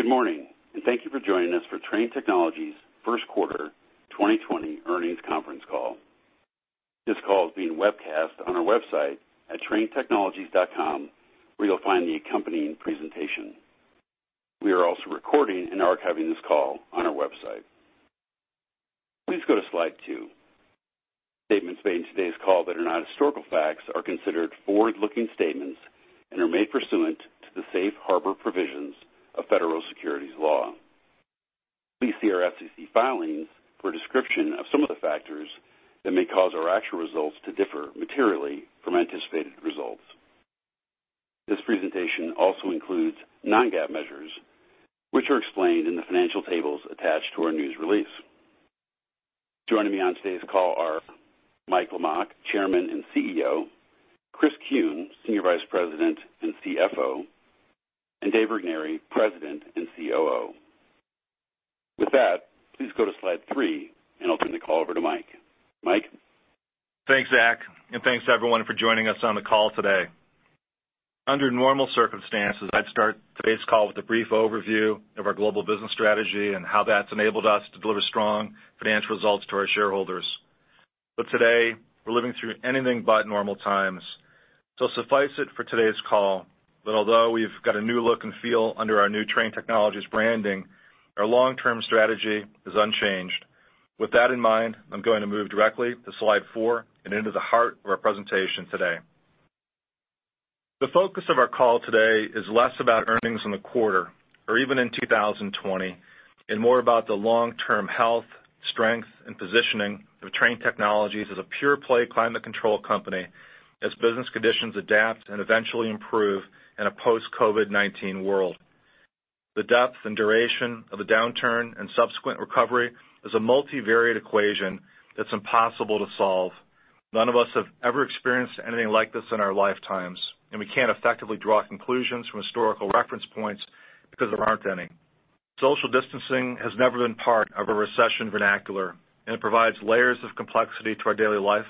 Good morning. Thank you for joining us for Trane Technologies first quarter 2020 earnings conference call. This call is being webcast on our website at tranetechnologies.com, where you'll find the accompanying presentation. We are also recording and archiving this call on our website. Please go to slide two. Statements made in today's call that are not historical facts are considered forward-looking statements and are made pursuant to the safe harbor provisions of federal securities law. Please see our SEC filings for a description of some of the factors that may cause our actual results to differ materially from anticipated results. This presentation also includes non-GAAP measures, which are explained in the financial tables attached to our news release. Joining me on today's call are Mike Lamach, Chairman and CEO, Chris Kuehn, Senior Vice President and CFO, and Dave Regnery, President and COO. With that, please go to slide three, and I'll turn the call over to Mike. Mike? Thanks, Zach, thanks to everyone for joining us on the call today. Under normal circumstances, I'd start today's call with a brief overview of our global business strategy and how that's enabled us to deliver strong financial results to our shareholders. Today, we're living through anything but normal times. Suffice it for today's call that although we've got a new look and feel under our new Trane Technologies branding, our long-term strategy is unchanged. With that in mind, I'm going to move directly to slide four and into the heart of our presentation today. The focus of our call today is less about earnings in the quarter, or even in 2020, more about the long-term health, strength, and positioning of Trane Technologies as a pure-play climate control company as business conditions adapt and eventually improve in a post-COVID-19 world. The depth and duration of the downturn and subsequent recovery is a multivariate equation that's impossible to solve. None of us have ever experienced anything like this in our lifetimes, we can't effectively draw conclusions from historical reference points because there aren't any. Social distancing has never been part of a recession vernacular, it provides layers of complexity to our daily life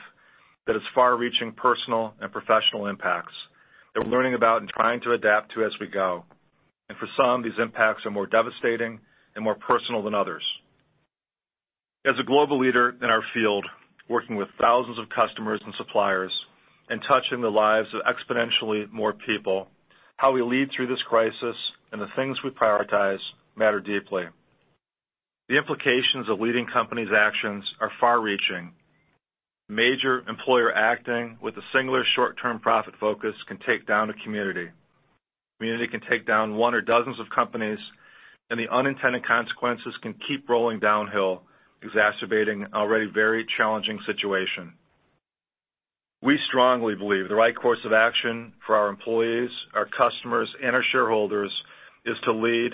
that has far-reaching personal and professional impacts that we're learning about and trying to adapt to as we go. For some, these impacts are more devastating and more personal than others. As a global leader in our field, working with thousands of customers and suppliers and touching the lives of exponentially more people, how we lead through this crisis and the things we prioritize matter deeply. The implications of leading companies' actions are far-reaching. Major employer acting with a singular short-term profit focus can take down a community. Community can take down one or dozens of companies, the unintended consequences can keep rolling downhill, exacerbating an already very challenging situation. We strongly believe the right course of action for our employees, our customers, and our shareholders is to lead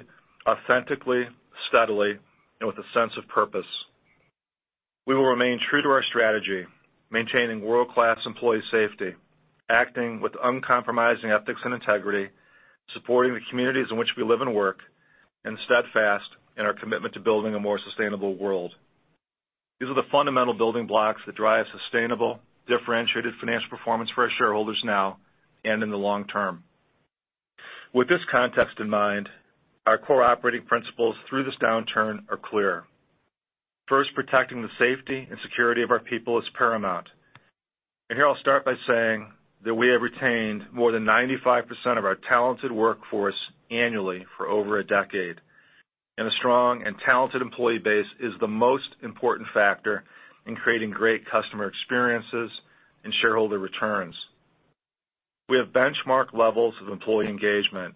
authentically, steadily, and with a sense of purpose. We will remain true to our strategy, maintaining world-class employee safety, acting with uncompromising ethics and integrity, supporting the communities in which we live and work, and steadfast in our commitment to building a more sustainable world. These are the fundamental building blocks that drive sustainable, differentiated financial performance for our shareholders now and in the long term. With this context in mind, our core operating principles through this downturn are clear. First, protecting the safety and security of our people is paramount. Here I'll start by saying that we have retained more than 95% of our talented workforce annually for over a decade. A strong and talented employee base is the most important factor in creating great customer experiences and shareholder returns. We have benchmark levels of employee engagement,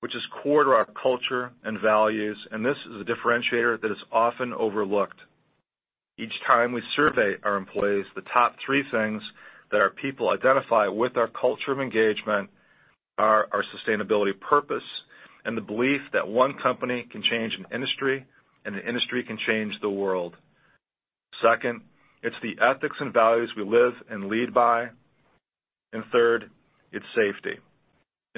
which is core to our culture and values, and this is a differentiator that is often overlooked. Each time we survey our employees, the top three things that our people identify with our culture of engagement are our sustainability purpose and the belief that one company can change an industry, and the industry can change the world. Second, it's the ethics and values we live and lead by, and third, it's safety.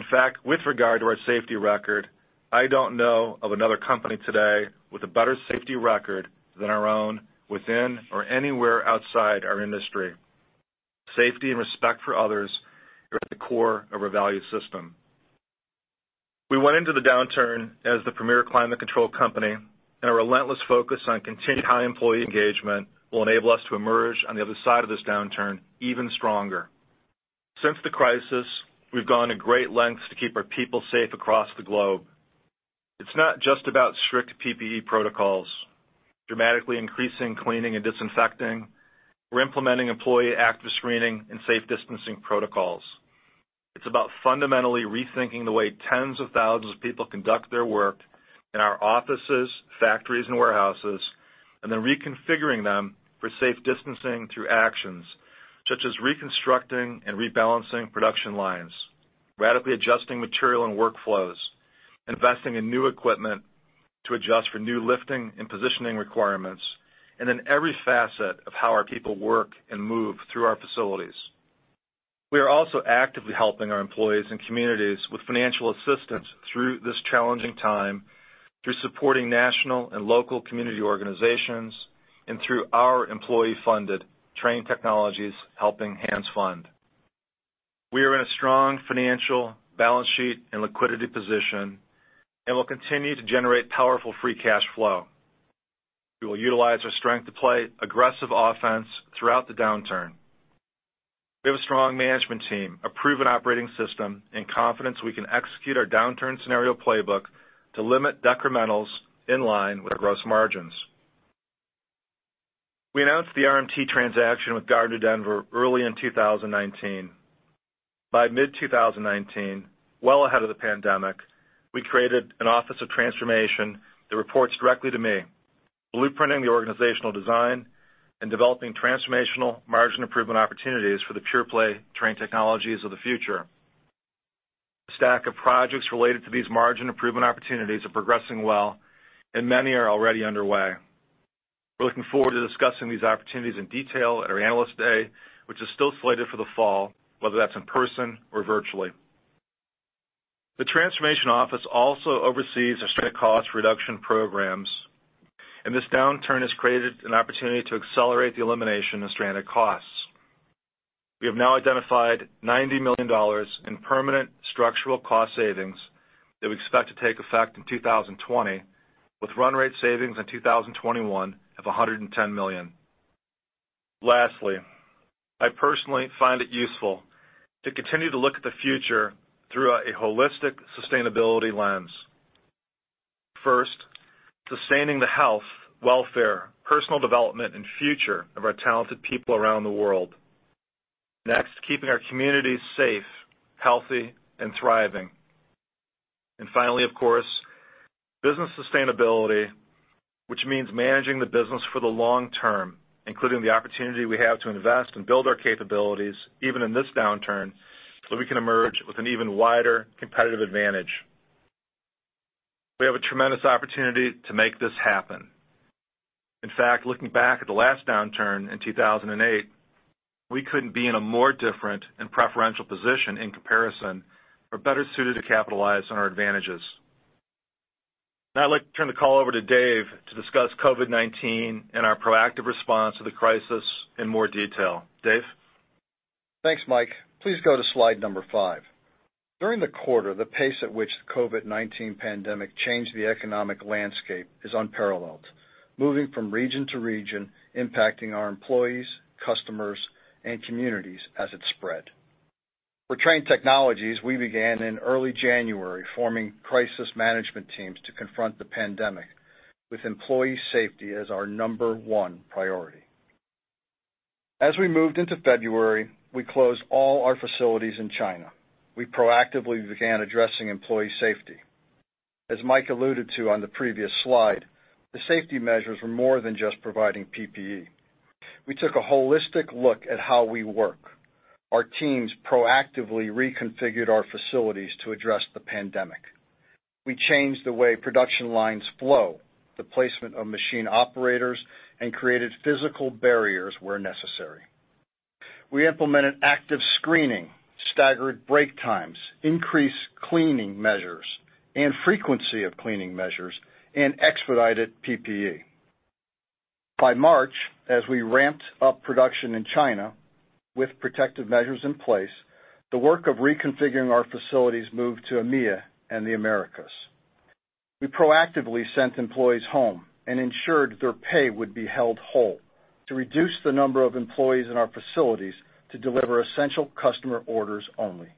In fact, with regard to our safety record, I don't know of another company today with a better safety record than our own within or anywhere outside our industry. Safety and respect for others are at the core of our value system. We went into the downturn as the premier climate control company. Our relentless focus on continued high employee engagement will enable us to emerge on the other side of this downturn even stronger. Since the crisis, we've gone to great lengths to keep our people safe across the globe. It's not just about strict PPE protocols, dramatically increasing cleaning and disinfecting or implementing employee active screening and safe distancing protocols. It's about fundamentally rethinking the way tens of thousands of people conduct their work in our offices, factories, and warehouses, and then reconfiguring them for safe distancing through actions, such as reconstructing and rebalancing production lines, radically adjusting material and workflows, investing in new equipment to adjust for new lifting and positioning requirements, and in every facet of how our people work and move through our facilities. We are also actively helping our employees and communities with financial assistance through this challenging time through supporting national and local community organizations and through our employee-funded Trane Technologies Helping Hand Fund. We are in a strong financial balance sheet and liquidity position and will continue to generate powerful free cash flow. We will utilize our strength to play aggressive offense throughout the downturn. We have a strong management team, a proven operating system, and confidence we can execute our downturn scenario playbook to limit decrementals in line with our gross margins. We announced the RMT transaction with Gardner Denver early in 2019. By mid-2019, well ahead of the pandemic, we created an office of transformation that reports directly to me, blueprinting the organizational design and developing transformational margin improvement opportunities for the pure-play Trane Technologies of the future. The stack of projects related to these margin improvement opportunities are progressing well, and many are already underway. We're looking forward to discussing these opportunities in detail at our Analyst Day, which is still slated for the Fall, whether that's in person or virtually. The transformation office also oversees our stranded cost reduction programs, and this downturn has created an opportunity to accelerate the elimination of stranded costs. We have now identified $90 million in permanent structural cost savings that we expect to take effect in 2020, with run rate savings in 2021 of $110 million. Lastly, I personally find it useful to continue to look at the future through a holistic sustainability lens. First, sustaining the health, welfare, personal development, and future of our talented people around the world. Next, keeping our communities safe, healthy, and thriving. Finally, of course, business sustainability, which means managing the business for the long term, including the opportunity we have to invest and build our capabilities, even in this downturn, so we can emerge with an even wider competitive advantage. We have a tremendous opportunity to make this happen. In fact, looking back at the last downturn in 2008, we couldn't be in a more different and preferential position in comparison or better suited to capitalize on our advantages. Now I'd like to turn the call over to Dave to discuss COVID-19 and our proactive response to the crisis in more detail. Dave? Thanks, Mike. Please go to slide number five. During the quarter, the pace at which the COVID-19 pandemic changed the economic landscape is unparalleled, moving from region to region, impacting our employees, customers, and communities as it spread. For Trane Technologies, we began in early January, forming crisis management teams to confront the pandemic, with employee safety as our number one priority. As we moved into February, we closed all our facilities in China. We proactively began addressing employee safety. As Mike alluded to on the previous slide, the safety measures were more than just providing PPE. We took a holistic look at how we work. Our teams proactively reconfigured our facilities to address the pandemic. We changed the way production lines flow, the placement of machine operators, and created physical barriers where necessary. We implemented active screening, staggered break times, increased cleaning measures and frequency of cleaning measures, and expedited PPE. By March, as we ramped up production in China with protective measures in place, the work of reconfiguring our facilities moved to EMEA and the Americas. We proactively sent employees home and ensured their pay would be held whole to reduce the number of employees in our facilities to deliver essential customer orders only.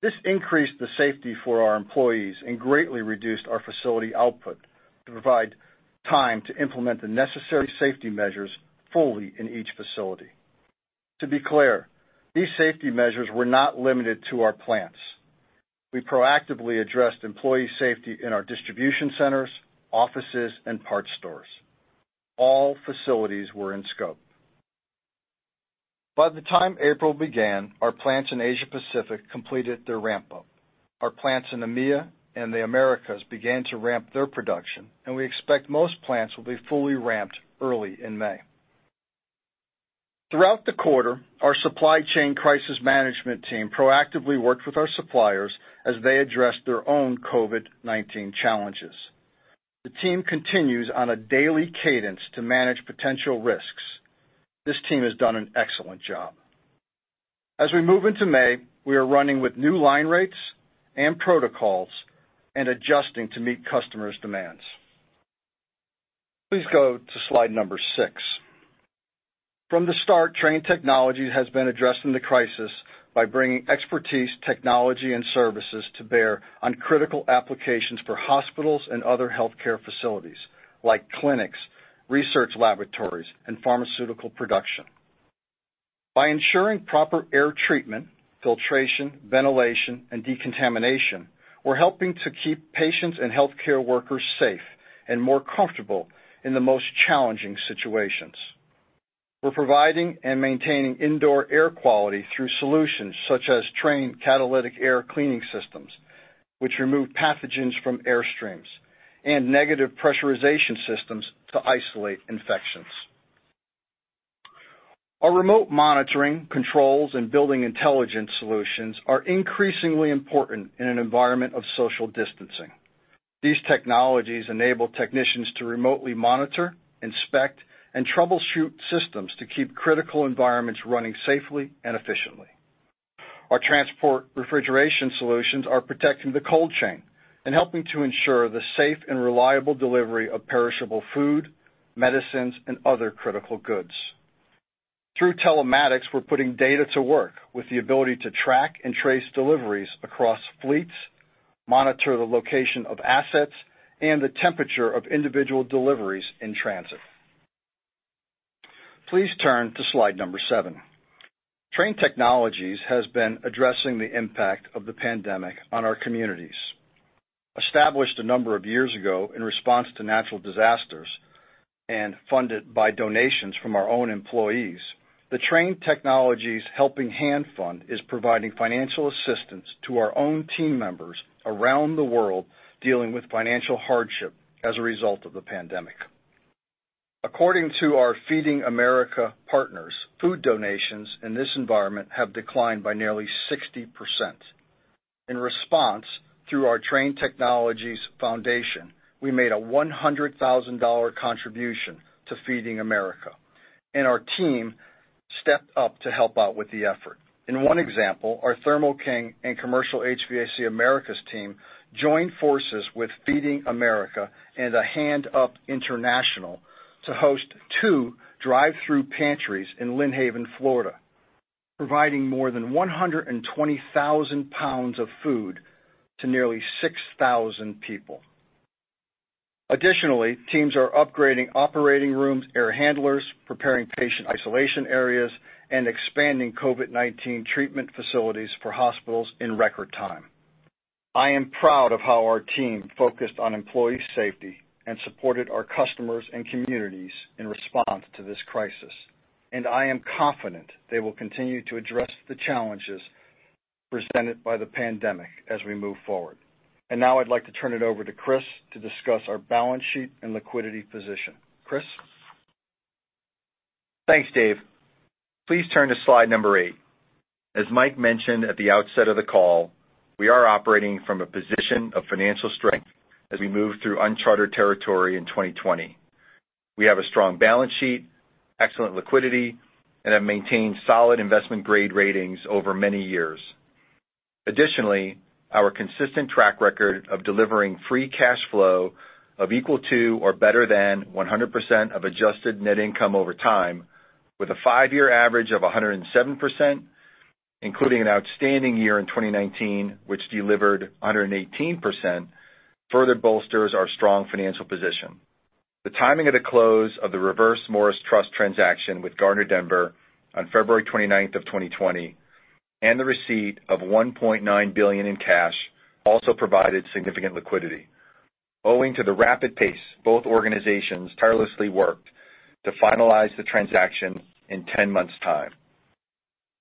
This increased the safety for our employees and greatly reduced our facility output to provide time to implement the necessary safety measures fully in each facility. To be clear, these safety measures were not limited to our plants. We proactively addressed employee safety in our distribution centers, offices, and parts stores. All facilities were in scope. By the time April began, our plants in Asia Pacific completed their ramp-up. Our plants in EMEA and the Americas began to ramp their production. We expect most plants will be fully ramped early in May. Throughout the quarter, our supply chain crisis management team proactively worked with our suppliers as they addressed their own COVID-19 challenges. The team continues on a daily cadence to manage potential risks. This team has done an excellent job. As we move into May, we are running with new line rates and protocols and adjusting to meet customers' demands. Please go to slide number six. From the start, Trane Technologies has been addressing the crisis by bringing expertise, technology, and services to bear on critical applications for hospitals and other healthcare facilities, like clinics, research laboratories, and pharmaceutical production. By ensuring proper air treatment, filtration, ventilation, and decontamination, we're helping to keep patients and healthcare workers safe and more comfortable in the most challenging situations. We're providing and maintaining indoor air quality through solutions such as Trane Catalytic Air Cleaning System, which remove pathogens from airstreams, and negative pressurization systems to isolate infections. Our remote monitoring, controls, and building intelligence solutions are increasingly important in an environment of social distancing. These technologies enable technicians to remotely monitor, inspect, and troubleshoot systems to keep critical environments running safely and efficiently. Our transport refrigeration solutions are protecting the cold chain and helping to ensure the safe and reliable delivery of perishable food, medicines, and other critical goods. Through telematics, we're putting data to work with the ability to track and trace deliveries across fleets, monitor the location of assets, and the temperature of individual deliveries in transit. Please turn to slide number seven. Trane Technologies has been addressing the impact of the pandemic on our communities. Established a number of years ago in response to natural disasters, and funded by donations from our own employees, the Trane Technologies Helping Hand Fund is providing financial assistance to our own team members around the world dealing with financial hardship as a result of the pandemic. According to our Feeding America partners, food donations in this environment have declined by nearly 60%. In response, through our Trane Technologies Foundation, we made a $100,000 contribution to Feeding America, and our team stepped up to help out with the effort. In one example, our Thermo King and Commercial HVAC Americas team joined forces with Feeding America and A Hand Up International to host two drive-through pantries in Lynn Haven, Florida, providing more than 120,000 pounds of food to nearly 6,000 people. Additionally, teams are upgrading operating rooms, air handlers, preparing patient isolation areas, and expanding COVID-19 treatment facilities for hospitals in record time. I am proud of how our team focused on employee safety and supported our customers and communities in response to this crisis, and I am confident they will continue to address the challenges presented by the pandemic as we move forward. Now I'd like to turn it over to Chris to discuss our balance sheet and liquidity position. Chris? Thanks, Dave. Please turn to slide number eight. As Mike mentioned at the outset of the call, we are operating from a position of financial strength as we move through uncharted territory in 2020. We have a strong balance sheet, excellent liquidity, and have maintained solid investment grade ratings over many years. Additionally, our consistent track record of delivering free cash flow of equal to or better than 100% of adjusted net income over time with a five-year average of 107%, including an outstanding year in 2019, which delivered 118%, further bolsters our strong financial position. The timing of the close of the Reverse Morris Trust transaction with Gardner Denver on February 29th of 2020, and the receipt of $1.9 billion in cash also provided significant liquidity. Owing to the rapid pace, both organizations tirelessly worked to finalize the transaction in 10 months' time.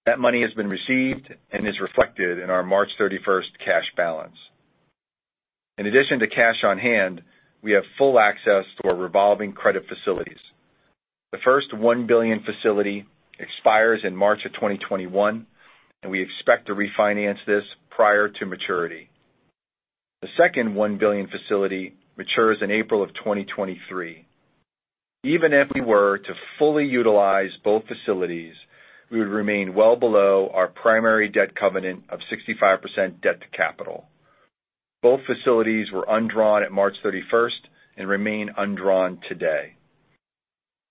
That money has been received and is reflected in our March 31st cash balance. In addition to cash on hand, we have full access to our revolving credit facilities. The first $1 billion facility expires in March of 2021. We expect to refinance this prior to maturity. The second $1 billion facility matures in April of 2023. Even if we were to fully utilize both facilities, we would remain well below our primary debt covenant of 65% debt to capital. Both facilities were undrawn at March 31st and remain undrawn today.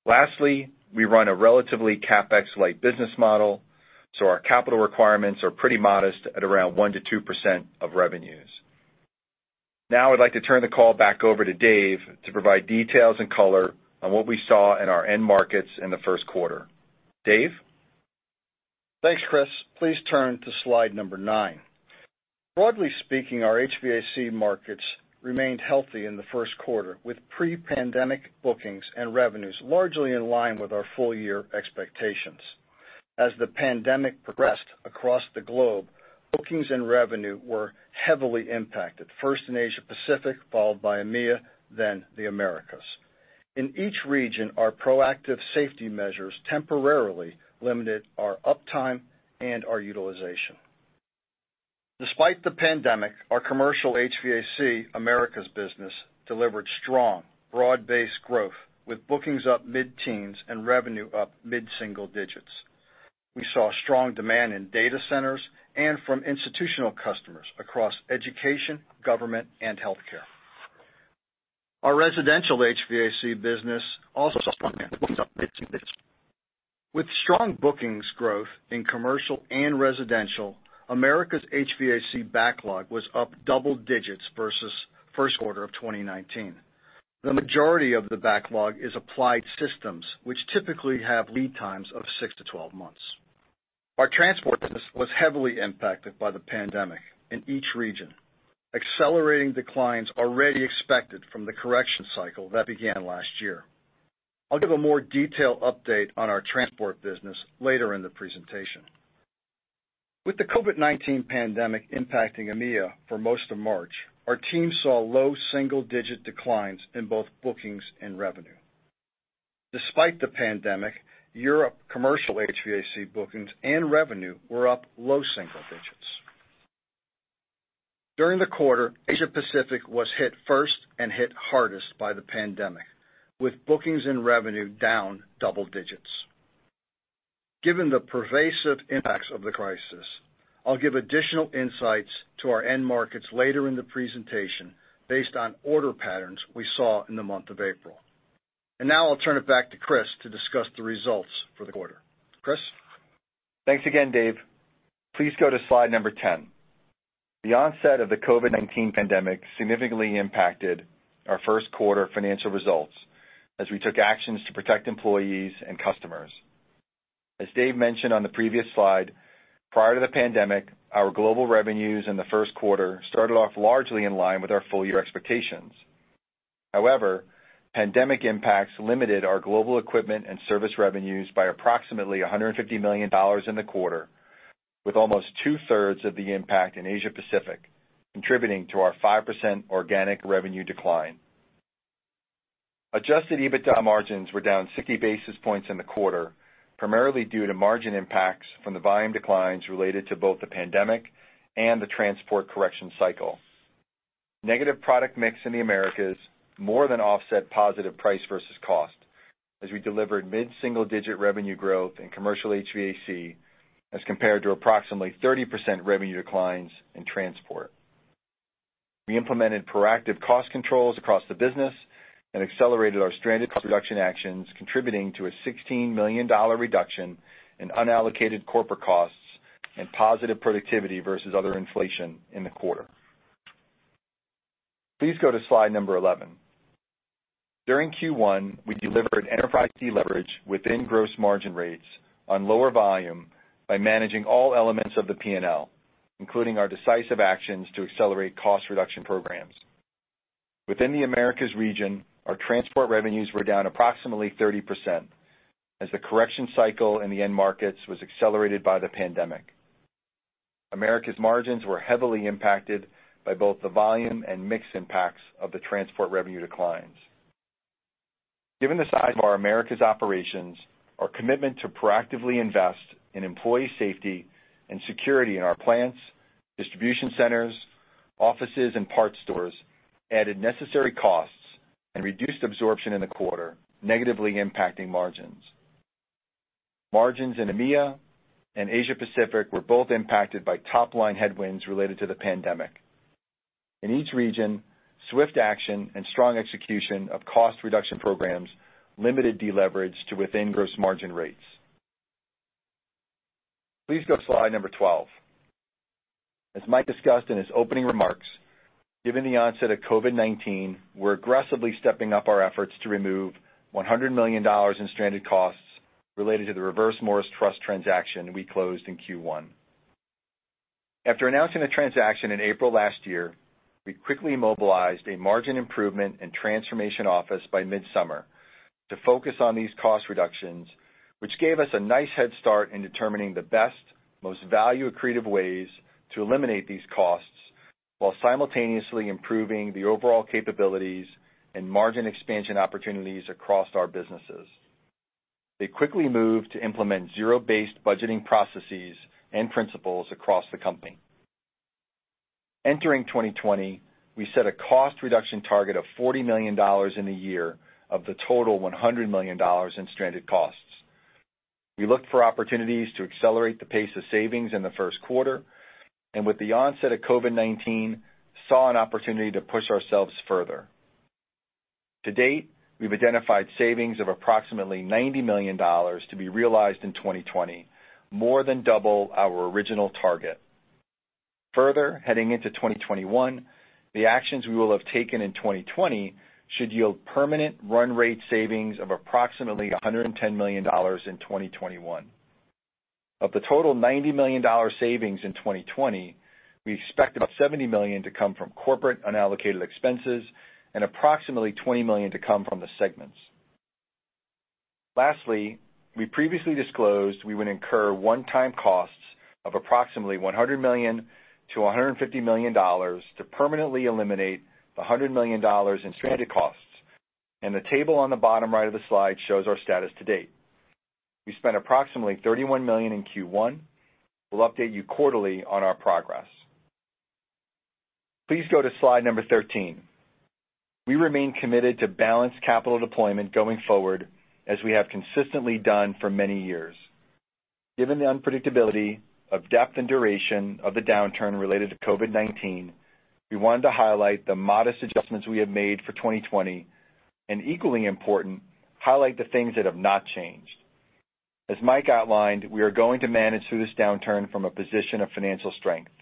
Lastly, we run a relatively CapEx-light business model. Our capital requirements are pretty modest at around 1% to 2% of revenues. Now, I'd like to turn the call back over to Dave to provide details and color on what we saw in our end markets in the first quarter. Dave? Thanks, Chris. Please turn to slide number nine. Broadly speaking, our HVAC markets remained healthy in the first quarter, with pre-pandemic bookings and revenues largely in line with our full-year expectations. As the pandemic progressed across the globe, bookings and revenue were heavily impacted, first in Asia Pacific, followed by EMEA, then the Americas. In each region, our proactive safety measures temporarily limited our uptime and our utilization. Despite the pandemic, our Commercial HVAC Americas business delivered strong, broad-based growth, with bookings up mid-teens and revenue up mid single-digits. We saw strong demand in data centers and from institutional customers across education, government, and healthcare. Our Residential HVAC business also saw strong demand with bookings up mid-single-digits. With strong bookings growth in Commercial and Residential, Americas' HVAC backlog was up double-digits versus first quarter of 2019. The majority of the backlog is applied systems, which typically have lead times of 6-12 months. Our Transport business was heavily impacted by the pandemic in each region, accelerating declines already expected from the correction cycle that began last year. I'll give a more detailed update on our Transport business later in the presentation. With the COVID-19 pandemic impacting EMEA for most of March, our team saw low single-digit declines in both bookings and revenue. Despite the pandemic, Europe Commercial HVAC bookings and revenue were up low single-digits. During the quarter, Asia Pacific was hit first and hit hardest by the pandemic, with bookings and revenue down double-digits. Given the pervasive impacts of the crisis, I'll give additional insights to our end markets later in the presentation based on order patterns we saw in the month of April. Now I'll turn it back to Chris to discuss the results for the quarter. Chris? Thanks again, Dave. Please go to slide number 10. The onset of the COVID-19 pandemic significantly impacted our first quarter financial results as we took actions to protect employees and customers. As Dave mentioned on the previous slide, prior to the pandemic, our global revenues in the first quarter started off largely in line with our full-year expectations. Pandemic impacts limited our global equipment and service revenues by approximately $150 million in the quarter, with almost 2/3 of the impact in Asia Pacific, contributing to our 5% organic revenue decline. Adjusted EBITDA margins were down 60 basis points in the quarter, primarily due to margin impacts from the volume declines related to both the pandemic and the transport correction cycle. Negative product mix in the Americas more than offset positive price versus cost as we delivered mid-single-digit revenue growth in Commercial HVAC as compared to approximately 30% revenue declines in Transport. We implemented proactive cost controls across the business and accelerated our stranded cost reduction actions, contributing to a $16 million reduction in unallocated corporate costs and positive productivity versus other inflation in the quarter. Please go to slide number 11. During Q1, we delivered enterprise deleverage within gross margin rates on lower volume by managing all elements of the P&L, including our decisive actions to accelerate cost reduction programs. Within the Americas region, our Transport revenues were down approximately 30%, as the correction cycle in the end markets was accelerated by the pandemic. Americas margins were heavily impacted by both the volume and mix impacts of the Transport revenue declines. Given the size of our Americas operations, our commitment to proactively invest in employee safety and security in our plants, distribution centers, offices, and parts stores added necessary costs and reduced absorption in the quarter, negatively impacting margins. Margins in EMEA and Asia Pacific were both impacted by top-line headwinds related to the pandemic. In each region, swift action and strong execution of cost reduction programs limited deleverage to within gross margin rates. Please go to slide number 12. As Mike discussed in his opening remarks, given the onset of COVID-19, we're aggressively stepping up our efforts to remove $100 million in stranded costs related to the Reverse Morris Trust transaction we closed in Q1. After announcing the transaction in April last year, we quickly mobilized a margin improvement and transformation office by midsummer to focus on these cost reductions, which gave us a nice head start in determining the best, most value-accretive ways to eliminate these costs while simultaneously improving the overall capabilities and margin expansion opportunities across our businesses. They quickly moved to implement zero-based budgeting processes and principles across the company. Entering 2020, we set a cost reduction target of $40 million in a year of the total $100 million in stranded costs. We looked for opportunities to accelerate the pace of savings in the first quarter. With the onset of COVID-19, saw an opportunity to push ourselves further. To date, we've identified savings of approximately $90 million to be realized in 2020, more than double our original target. Heading into 2021, the actions we will have taken in 2020 should yield permanent run rate savings of approximately $110 million in 2021. Of the total $90 million savings in 2020, we expect about $70 million to come from corporate unallocated expenses and approximately $20 million to come from the segments. We previously disclosed we would incur one-time costs of approximately $100 million-$150 million to permanently eliminate the $100 million in stranded costs, and the table on the bottom right of the slide shows our status to date. We spent approximately $31 million in Q1. We'll update you quarterly on our progress. Please go to slide number 13. We remain committed to balanced capital deployment going forward, as we have consistently done for many years. Given the unpredictability of depth and duration of the downturn related to COVID-19, we wanted to highlight the modest adjustments we have made for 2020. Equally important, highlight the things that have not changed. As Mike outlined, we are going to manage through this downturn from a position of financial strength.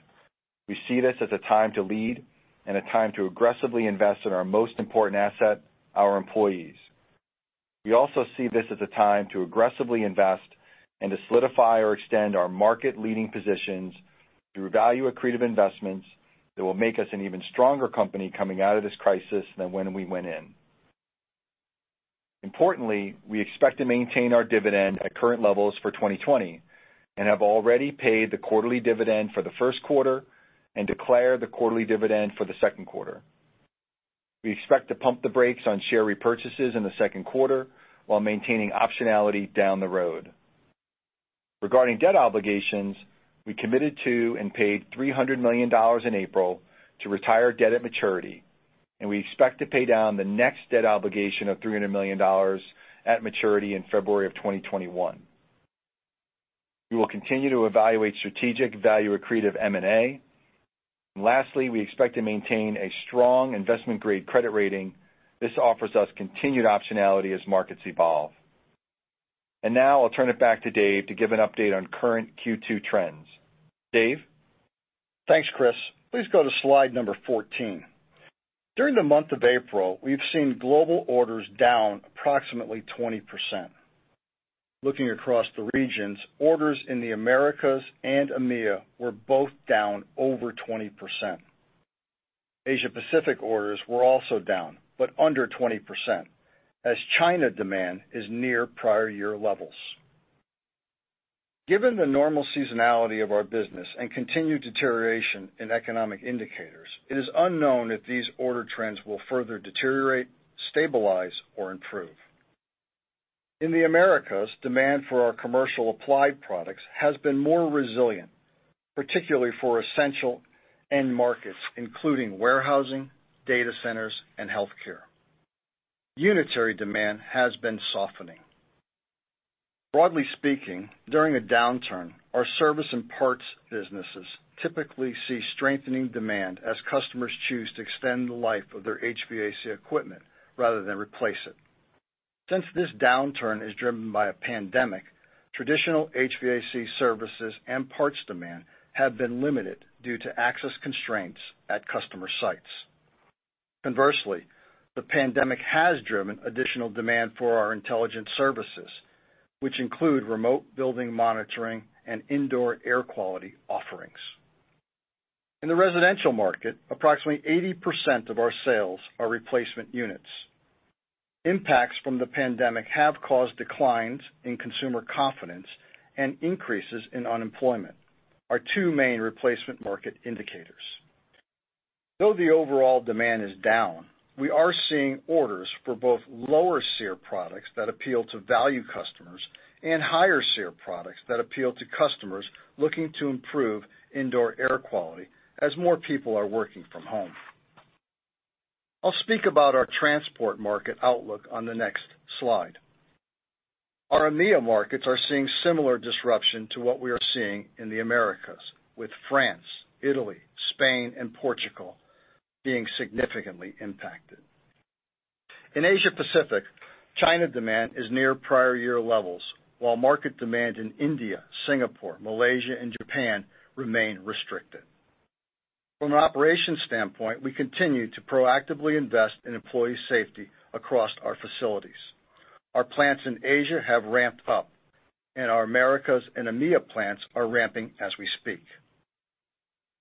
We see this as a time to lead and a time to aggressively invest in our most important asset, our employees. We also see this as a time to aggressively invest and to solidify or extend our market-leading positions through value-accretive investments that will make us an even stronger company coming out of this crisis than when we went in. Importantly, we expect to maintain our dividend at current levels for 2020 and have already paid the quarterly dividend for the first quarter. Declare the quarterly dividend for the second quarter. We expect to pump the brakes on share repurchases in the second quarter while maintaining optionality down the road. Regarding debt obligations, we committed to and paid $300 million in April to retire debt at maturity, and we expect to pay down the next debt obligation of $300 million at maturity in February of 2021. We will continue to evaluate strategic value accretive M&A. Lastly, we expect to maintain a strong investment-grade credit rating. This offers us continued optionality as markets evolve. Now I'll turn it back to Dave to give an update on current Q2 trends. Dave? Thanks, Chris. Please go to slide number 14. During the month of April, we've seen global orders down approximately 20%. Looking across the regions, orders in the Americas and EMEA were both down over 20%. Asia-Pacific orders were also down, but under 20%, as China demand is near prior year levels. Given the normal seasonality of our business and continued deterioration in economic indicators, it is unknown if these order trends will further deteriorate, stabilize, or improve. In the Americas, demand for our commercial applied products has been more resilient. Particularly for essential end markets, including warehousing, data centers, and healthcare. Unitary demand has been softening. Broadly speaking, during a downturn, our service and parts businesses typically see strengthening demand as customers choose to extend the life of their HVAC equipment rather than replace it. Since this downturn is driven by a pandemic, traditional HVAC services and parts demand have been limited due to access constraints at customer sites. Conversely, the pandemic has driven additional demand for our intelligent services, which include remote building monitoring and indoor air quality offerings. In the residential market, approximately 80% of our sales are replacement units. Impacts from the pandemic have caused declines in consumer confidence and increases in unemployment, our two main replacement market indicators. Though the overall demand is down, we are seeing orders for both lower SEER products that appeal to value customers and higher SEER products that appeal to customers looking to improve indoor air quality as more people are working from home. I'll speak about our transport market outlook on the next slide. Our EMEA markets are seeing similar disruption to what we are seeing in the Americas, with France, Italy, Spain, and Portugal being significantly impacted. In Asia-Pacific, China demand is near prior year levels, while market demand in India, Singapore, Malaysia, and Japan remain restricted. From an operations standpoint, we continue to proactively invest in employee safety across our facilities. Our plants in Asia have ramped up, and our Americas and EMEA plants are ramping as we speak.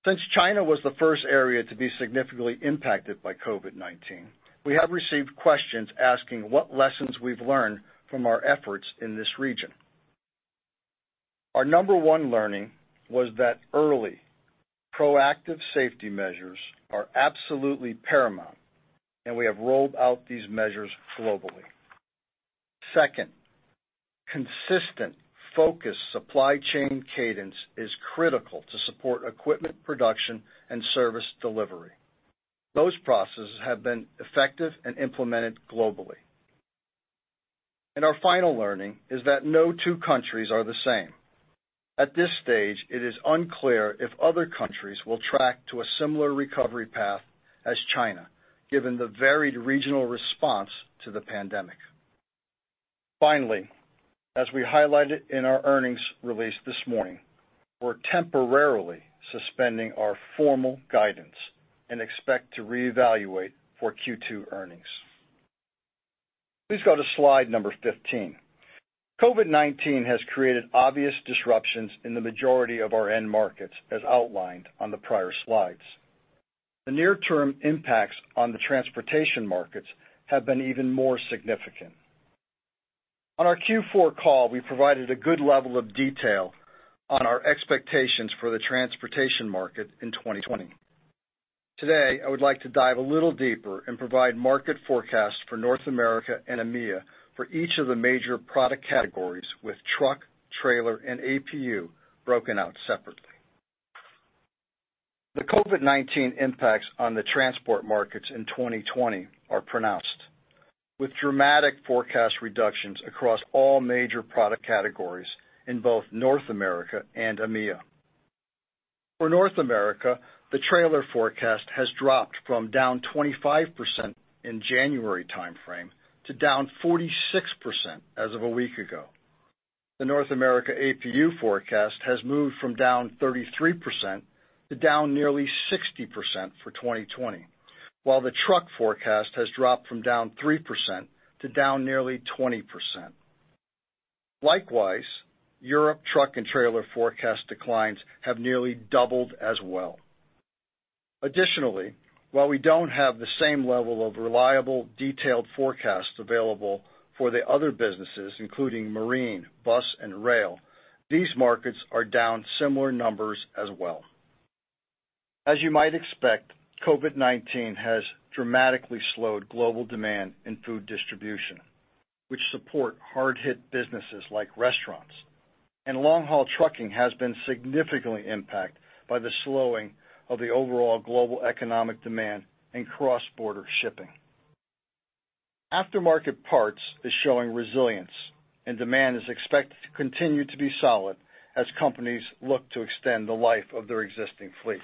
Since China was the first area to be significantly impacted by COVID-19, we have received questions asking what lessons we've learned from our efforts in this region. Our number one learning was that early, proactive safety measures are absolutely paramount, and we have rolled out these measures globally. Second, consistent, focused supply chain cadence is critical to support equipment production and service delivery. Those processes have been effective and implemented globally. Our final learning is that no two countries are the same. At this stage, it is unclear if other countries will track to a similar recovery path as China, given the varied regional response to the pandemic. As we highlighted in our earnings release this morning, we're temporarily suspending our formal guidance and expect to reevaluate for Q2 earnings. Please go to slide number 15. COVID-19 has created obvious disruptions in the majority of our end markets, as outlined on the prior slides. The near-term impacts on the transportation markets have been even more significant. On our Q4 call, we provided a good level of detail on our expectations for the transportation market in 2020. I would like to dive a little deeper and provide market forecasts for North America and EMEA for each of the major product categories, with truck, trailer, and APU broken out separately. The COVID-19 impacts on the transport markets in 2020 are pronounced, with dramatic forecast reductions across all major product categories in both North America and EMEA. For North America, the trailer forecast has dropped from down 25% in January timeframe to down 46% as of a week ago. The North America APU forecast has moved from down 33% to down nearly 60% for 2020. While the truck forecast has dropped from down 3% to down nearly 20%. Likewise, Europe truck and trailer forecast declines have nearly doubled as well. Additionally, while we don't have the same level of reliable detailed forecasts available for the other businesses, including marine, bus, and rail, these markets are down similar numbers as well. As you might expect, COVID-19 has dramatically slowed global demand in food distribution, which support hard hit businesses like restaurants. Long-haul trucking has been significantly impacted by the slowing of the overall global economic demand in cross-border shipping. Aftermarket parts is showing resilience, and demand is expected to continue to be solid as companies look to extend the life of their existing fleets.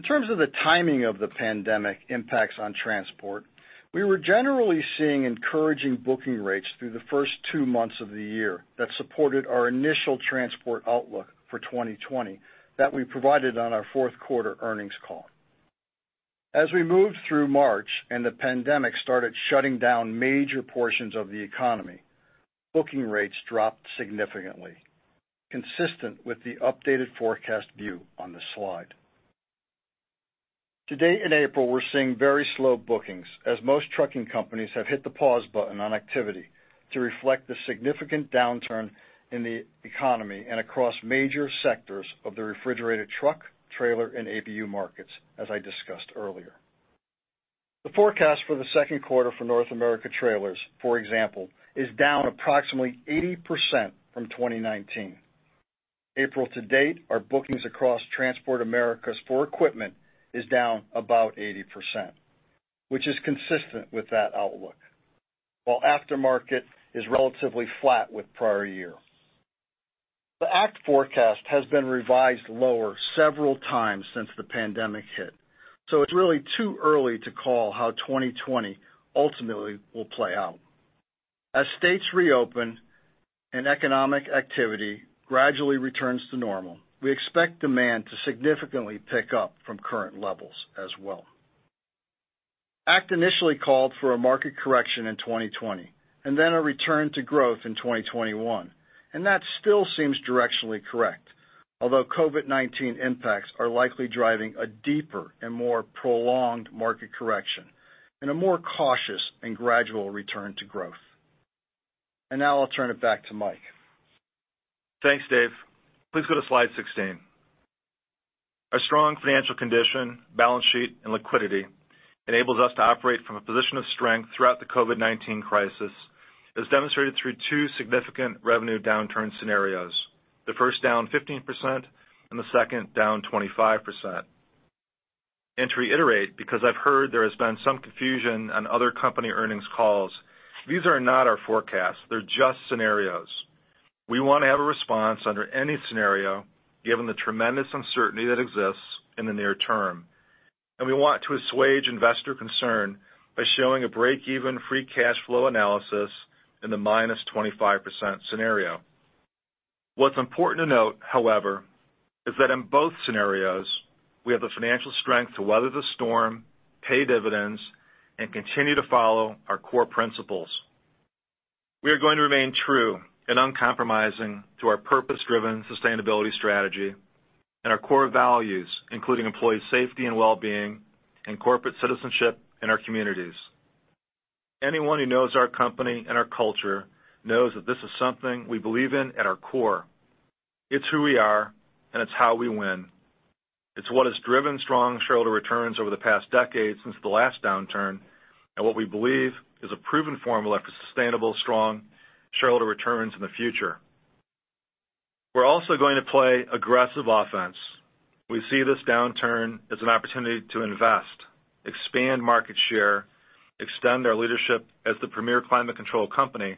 In terms of the timing of the pandemic impacts on transport, we were generally seeing encouraging booking rates through the first two months of the year that supported our initial transport outlook for 2020 that we provided on our fourth quarter earnings call. As we moved through March and the pandemic started shutting down major portions of the economy, booking rates dropped significantly, consistent with the updated forecast view on this slide. Today in April, we're seeing very slow bookings as most trucking companies have hit the pause button on activity to reflect the significant downturn in the economy and across major sectors of the refrigerated truck, trailer, and APU markets, as I discussed earlier. The forecast for the second quarter for North America trailers, for example, is down approximately 80% from 2019. April to date, our bookings across Transport Americas for equipment is down about 80%, which is consistent with that outlook, while aftermarket is relatively flat with prior year. The ACT forecast has been revised lower several times since the pandemic hit. It's really too early to call how 2020 ultimately will play out. As states reopen and economic activity gradually returns to normal, we expect demand to significantly pick up from current levels as well. ACT initially called for a market correction in 2020, and then a return to growth in 2021, and that still seems directionally correct. Although COVID-19 impacts are likely driving a deeper and more prolonged market correction and a more cautious and gradual return to growth. Now I'll turn it back to Mike. Thanks, Dave. Please go to slide 16. Our strong financial condition, balance sheet, and liquidity enables us to operate from a position of strength throughout the COVID-19 crisis, as demonstrated through two significant revenue downturn scenarios, the first down 15% and the second down 25%. To reiterate, because I've heard there has been some confusion on other company earnings calls, these are not our forecasts. They're just scenarios. We want to have a response under any scenario, given the tremendous uncertainty that exists in the near term, and we want to assuage investor concern by showing a break even free cash flow analysis in the -25% scenario. What's important to note, however, is that in both scenarios, we have the financial strength to weather the storm, pay dividends, and continue to follow our core principles. We are going to remain true and uncompromising to our purpose-driven sustainability strategy and our core values, including employee safety and well-being and corporate citizenship in our communities. Anyone who knows our company and our culture knows that this is something we believe in at our core. It's who we are, and it's how we win. It's what has driven strong shareholder returns over the past decade since the last downturn, and what we believe is a proven formula for sustainable, strong shareholder returns in the future. We are also going to play aggressive offense. We see this downturn as an opportunity to invest, expand market share, extend our leadership as the premier climate control company,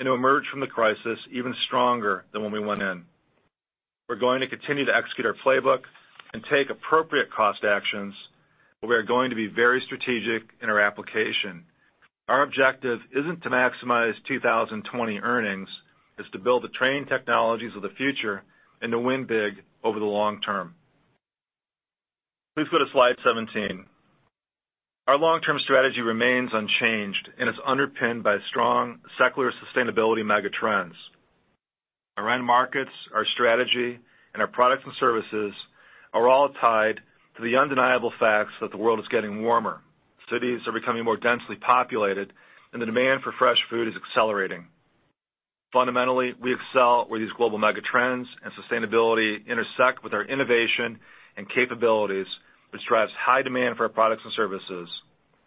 and to emerge from the crisis even stronger than when we went in. We're going to continue to execute our playbook and take appropriate cost actions, but we are going to be very strategic in our application. Our objective isn't to maximize 2020 earnings, it's to build the Trane Technologies of the future and to win big over the long term. Please go to slide 17. Our long-term strategy remains unchanged and is underpinned by strong secular sustainability megatrends. Our end markets, our strategy, and our products and services are all tied to the undeniable facts that the world is getting warmer. Cities are becoming more densely populated, and the demand for fresh food is accelerating. Fundamentally, we excel where these global megatrends and sustainability intersect with our innovation and capabilities, which drives high demand for our products and services.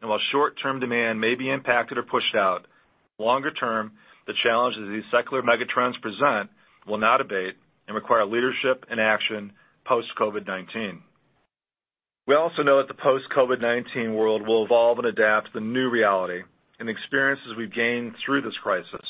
While short-term demand may be impacted or pushed out, longer term, the challenges these secular megatrends present will not abate and require leadership and action post COVID-19. We also know that the post COVID-19 world will evolve and adapt to the new reality and the experiences we've gained through this crisis.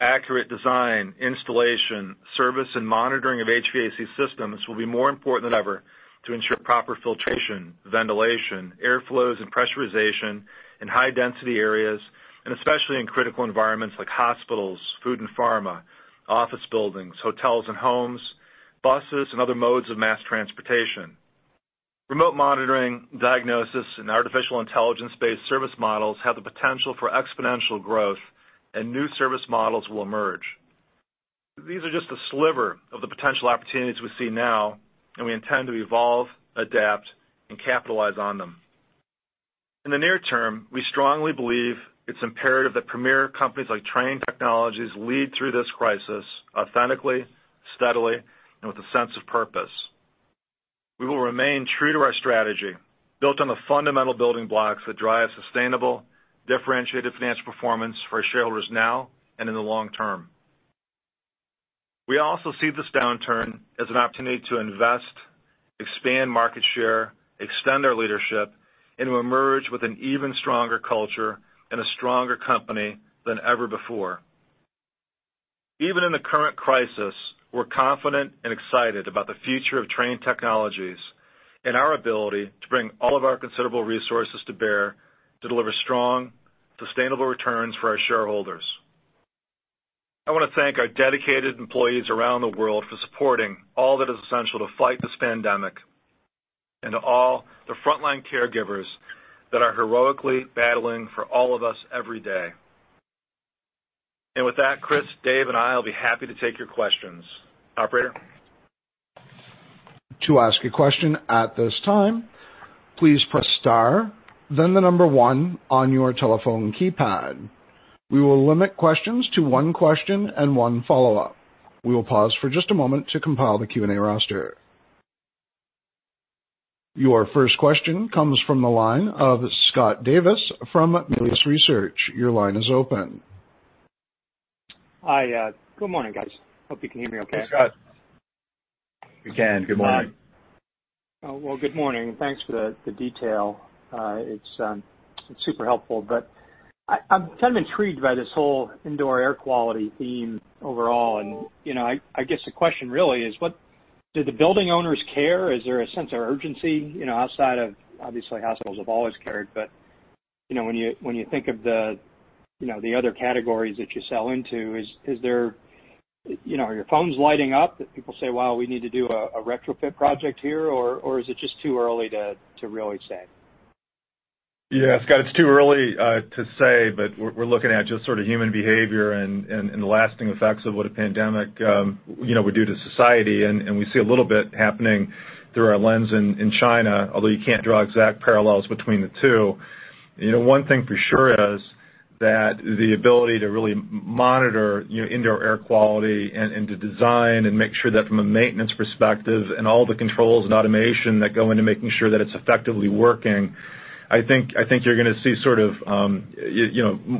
Accurate design, installation, service, and monitoring of HVAC systems will be more important than ever to ensure proper filtration, ventilation, air flows, and pressurization in high density areas, and especially in critical environments like hospitals, food and pharma, office buildings, hotels and homes, buses and other modes of mass transportation. Remote monitoring, diagnosis, and artificial intelligence-based service models have the potential for exponential growth and new service models will emerge. These are just a sliver of the potential opportunities we see now, and we intend to evolve, adapt, and capitalize on them. In the near term, we strongly believe it's imperative that premier companies like Trane Technologies lead through this crisis authentically, steadily, and with a sense of purpose. We will remain true to our strategy, built on the fundamental building blocks that drive sustainable, differentiated financial performance for our shareholders now and in the long term. We also see this downturn as an opportunity to invest, expand market share, extend our leadership, and to emerge with an even stronger culture and a stronger company than ever before. Even in the current crisis, we're confident and excited about the future of Trane Technologies and our ability to bring all of our considerable resources to bear, to deliver strong, sustainable returns for our shareholders. I want to thank our dedicated employees around the world for supporting all that is essential to fight this pandemic, and to all the frontline caregivers that are heroically battling for all of us every day. With that, Chris, Dave, and I will be happy to take your questions. Operator? To ask a question at this time, please press star then the number one on your telephone keypad. We will limit questions to one question and one follow-up. We will pause for just a moment to compile the Q&A roster. Your first question comes from the line of Scott Davis from Melius Research. Your line is open. Hi. Good morning, guys. Hope you can hear me okay. Hey, Scott. We can. Good morning. Well, good morning, and thanks for the detail. It's super helpful, but I'm kind of intrigued by this whole indoor air quality theme overall. I guess the question really is, do the building owners care? Is there a sense of urgency outside of, obviously, hospitals have always cared, but when you think of the other categories that you sell into, are your phones lighting up that people say, "Wow, we need to do a retrofit project here," or is it just too early to really say? Yeah, Scott, it's too early to say, but we're looking at just sort of human behavior and the lasting effects of what a pandemic would do to society. We see a little bit happening through our lens in China, although you can't draw exact parallels between the two. One thing for sure is that the ability to really monitor indoor air quality and to design and make sure that from a maintenance perspective and all the controls and automation that go into making sure that it's effectively working. I think you're going to see sort of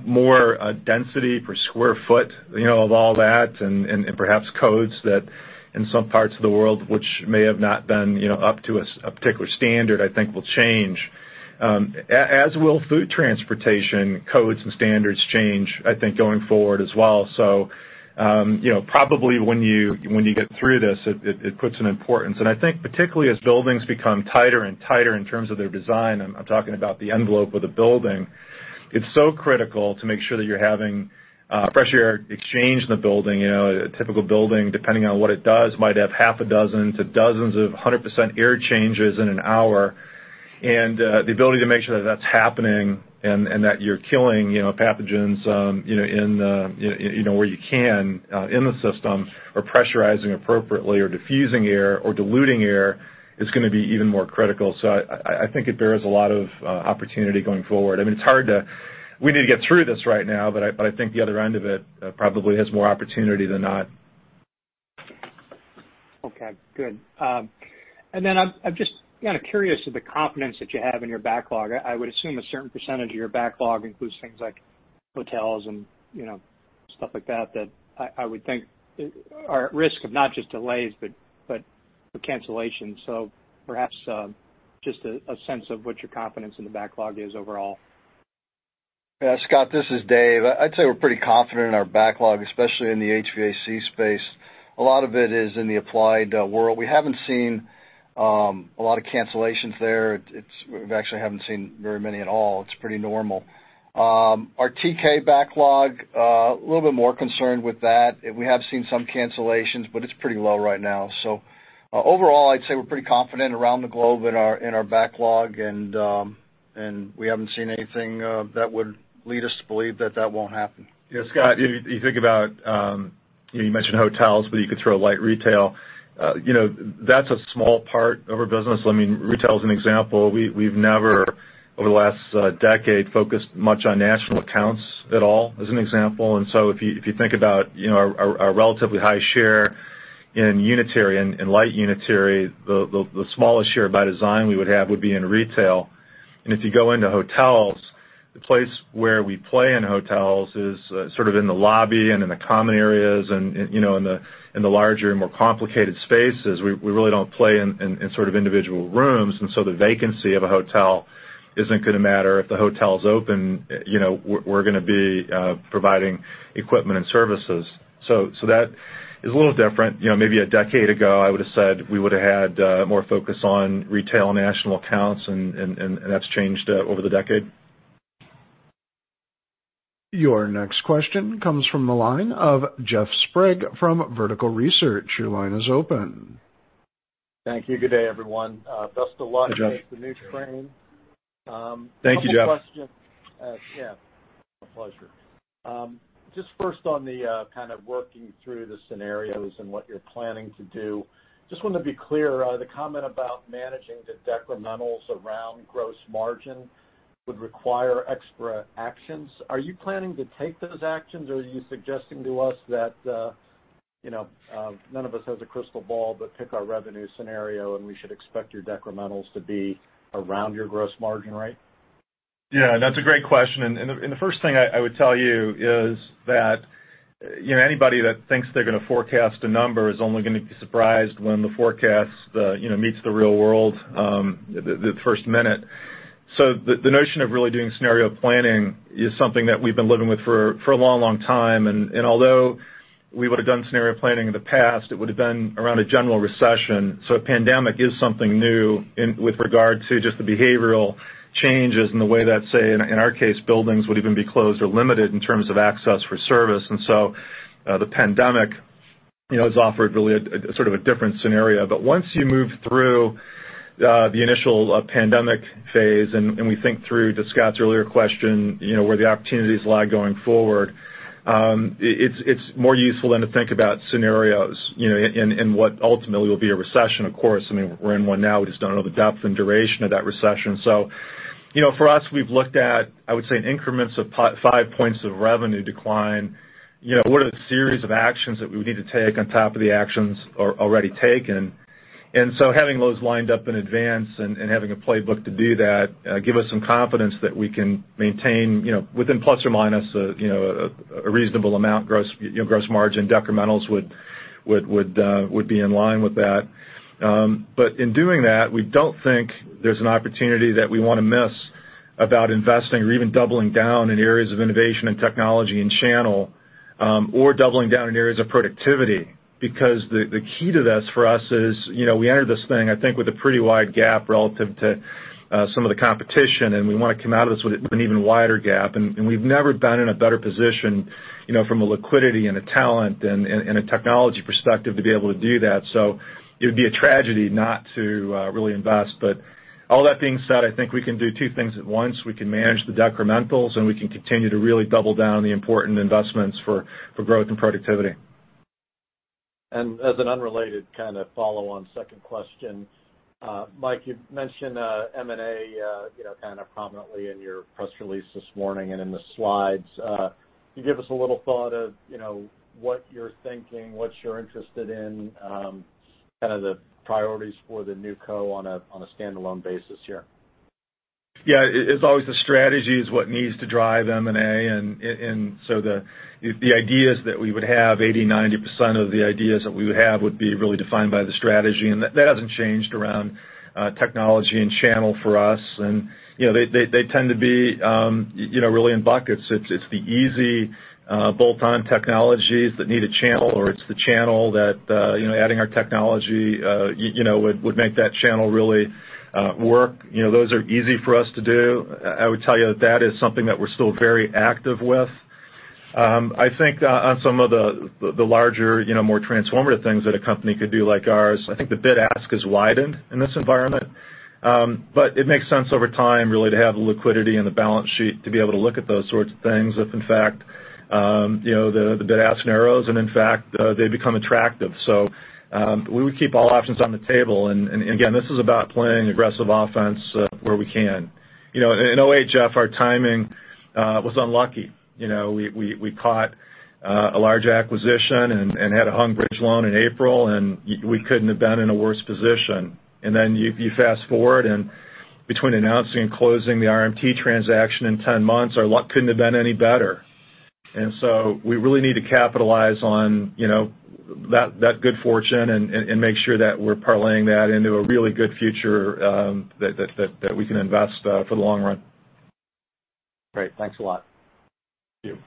more density per square foot of all that and perhaps codes that in some parts of the world which may have not been up to a particular standard, I think will change. As will food transportation codes and standards change, I think, going forward as well. Probably when you get through this, it puts an importance. I think particularly as buildings become tighter and tighter in terms of their design, I'm talking about the envelope of the building, it's so critical to make sure that you're having fresh air exchange in the building. A typical building, depending on what it does, might have half a dozen to dozens of 100% air changes in an hour. The ability to make sure that that's happening and that you're killing pathogens where you can in the system or pressurizing appropriately or diffusing air or diluting air is going to be even more critical. I think it bears a lot of opportunity going forward. I mean, we need to get through this right now, but I think the other end of it probably has more opportunity than not. Okay, good. Then I'm just kind of curious of the confidence that you have in your backlog. I would assume a certain percentage of your backlog includes things like hotels and stuff like that I would think are at risk of not just delays, but for cancellation. Perhaps, just a sense of what your confidence in the backlog is overall. Yeah, Scott, this is Dave. I'd say we're pretty confident in our backlog, especially in the HVAC space. A lot of it is in the applied world. We haven't seen a lot of cancellations there. We actually haven't seen very many at all. It's pretty normal. Our TK backlog, a little bit more concerned with that. We have seen some cancellations, but it's pretty low right now. Overall, I'd say we're pretty confident around the globe in our backlog, and we haven't seen anything that would lead us to believe that that won't happen. Yeah, Scott, you think about, you mentioned hotels, but you could throw light retail. That's a small part of our business. Retail is an example. We've never, over the last decade, focused much on national accounts at all, as an example. If you think about our relatively high share in unitary and light unitary, the smallest share by design we would have would be in retail. If you go into hotels, the place where we play in hotels is sort of in the lobby and in the common areas and in the larger and more complicated spaces. We really don't play in sort of individual rooms, the vacancy of a hotel isn't going to matter. If the hotel is open, we're going to be providing equipment and services. That is a little different. Maybe a decade ago, I would've said we would've had more focus on retail and national accounts, and that's changed over the decade. Your next question comes from the line of Jeff Sprague from Vertical Research. Your line is open. Thank you. Good day, everyone. Best of luck— Hey, Jeff —with the new Trane. Thank you, Jeff. Yeah. My pleasure. Just first on the kind of working through the scenarios and what you're planning to do. Just wanted to be clear, the comment about managing the decrementals around gross margin would require extra actions. Are you planning to take those actions? Or are you suggesting to us that, none of us has a crystal ball, but pick our revenue scenario, and we should expect your decrementals to be around your gross margin rate? Yeah, that's a great question. The first thing I would tell you is that anybody that thinks they're going to forecast a number is only going to be surprised when the forecast meets the real world the first minute. The notion of really doing scenario planning is something that we've been living with for a long, long time. Although we would've done scenario planning in the past, it would've been around a general recession. A pandemic is something new with regard to just the behavioral changes and the way that, say, in our case, buildings would even be closed or limited in terms of access for service. The pandemic has offered really a different scenario. Once you move through the initial pandemic phase and we think through, to Scott's earlier question, where the opportunities lie going forward, it's more useful then to think about scenarios, and what ultimately will be a recession, of course. We're in one now. We just don't know the depth and duration of that recession. For us, we've looked at, I would say, in increments of 5 points of revenue decline, what are the series of actions that we would need to take on top of the actions already taken? Having those lined up in advance and having a playbook to do that give us some confidence that we can maintain within plus or minus a reasonable amount gross margin decrementals would be in line with that. In doing that, we don't think there's an opportunity that we want to miss about investing or even doubling down in areas of innovation and technology and channel, or doubling down in areas of productivity. The key to this for us is, we entered this thing, I think, with a pretty wide gap relative to some of the competition, and we want to come out of this with an even wider gap. We've never been in a better position from a liquidity and a talent and a technology perspective to be able to do that. It would be a tragedy not to really invest. All that being said, I think we can do two things at once. We can manage the decrementals, and we can continue to really double down on the important investments for growth and productivity. As an unrelated kind of follow-on second question, Mike, you mentioned M&A kind of prominently in your press release this morning and in the slides. Can you give us a little thought of what you're thinking, what you're interested in, kind of the priorities for the new co on a standalone basis here? Yeah. As always, the strategy is what needs to drive M&A, and so the ideas that we would have, 80%-90% of the ideas that we would have would be really defined by the strategy, and that hasn't changed around technology and channel for us. They tend to be really in buckets. It's the easy bolt-on technologies that need a channel, or it's the channel that adding our technology would make that channel really work. Those are easy for us to do. I would tell you that that is something that we're still very active with. I think on some of the larger, more transformative things that a company could do like ours, I think the bid-ask has widened in this environment. It makes sense over time, really, to have the liquidity and the balance sheet to be able to look at those sorts of things if in fact the bid-ask narrows and in fact they become attractive. We would keep all options on the table, and again, this is about playing aggressive offense where we can. In a way, Jeff, our timing was unlucky. We caught a large acquisition and had a hung bridge loan in April, and we couldn't have been in a worse position. Then you fast-forward, and between announcing and closing the RMT transaction in 10 months, our luck couldn't have been any better. We really need to capitalize on that good fortune and make sure that we're parlaying that into a really good future that we can invest for the long run. Great. Thanks a lot. Thank you.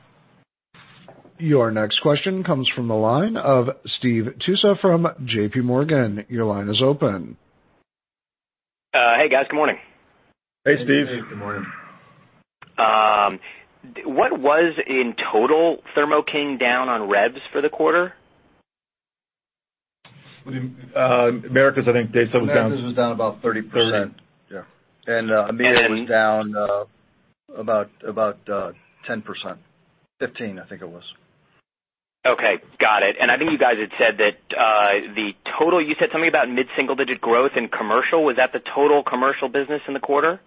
Your next question comes from the line of Steve Tusa from JPMorgan. Your line is open. Hey, guys. Good morning. Hey, Steve. Good morning. What was, in total, Thermo King down on revs for the quarter? Americas, I think they said was down- Americas was down about 30%. Yeah. EMEA was down about 10%, 15% I think it was. Okay, got it. I think you guys had said that the total, you said something about mid single-digit growth in Commercial. Was that the total Commercial business in the quarter?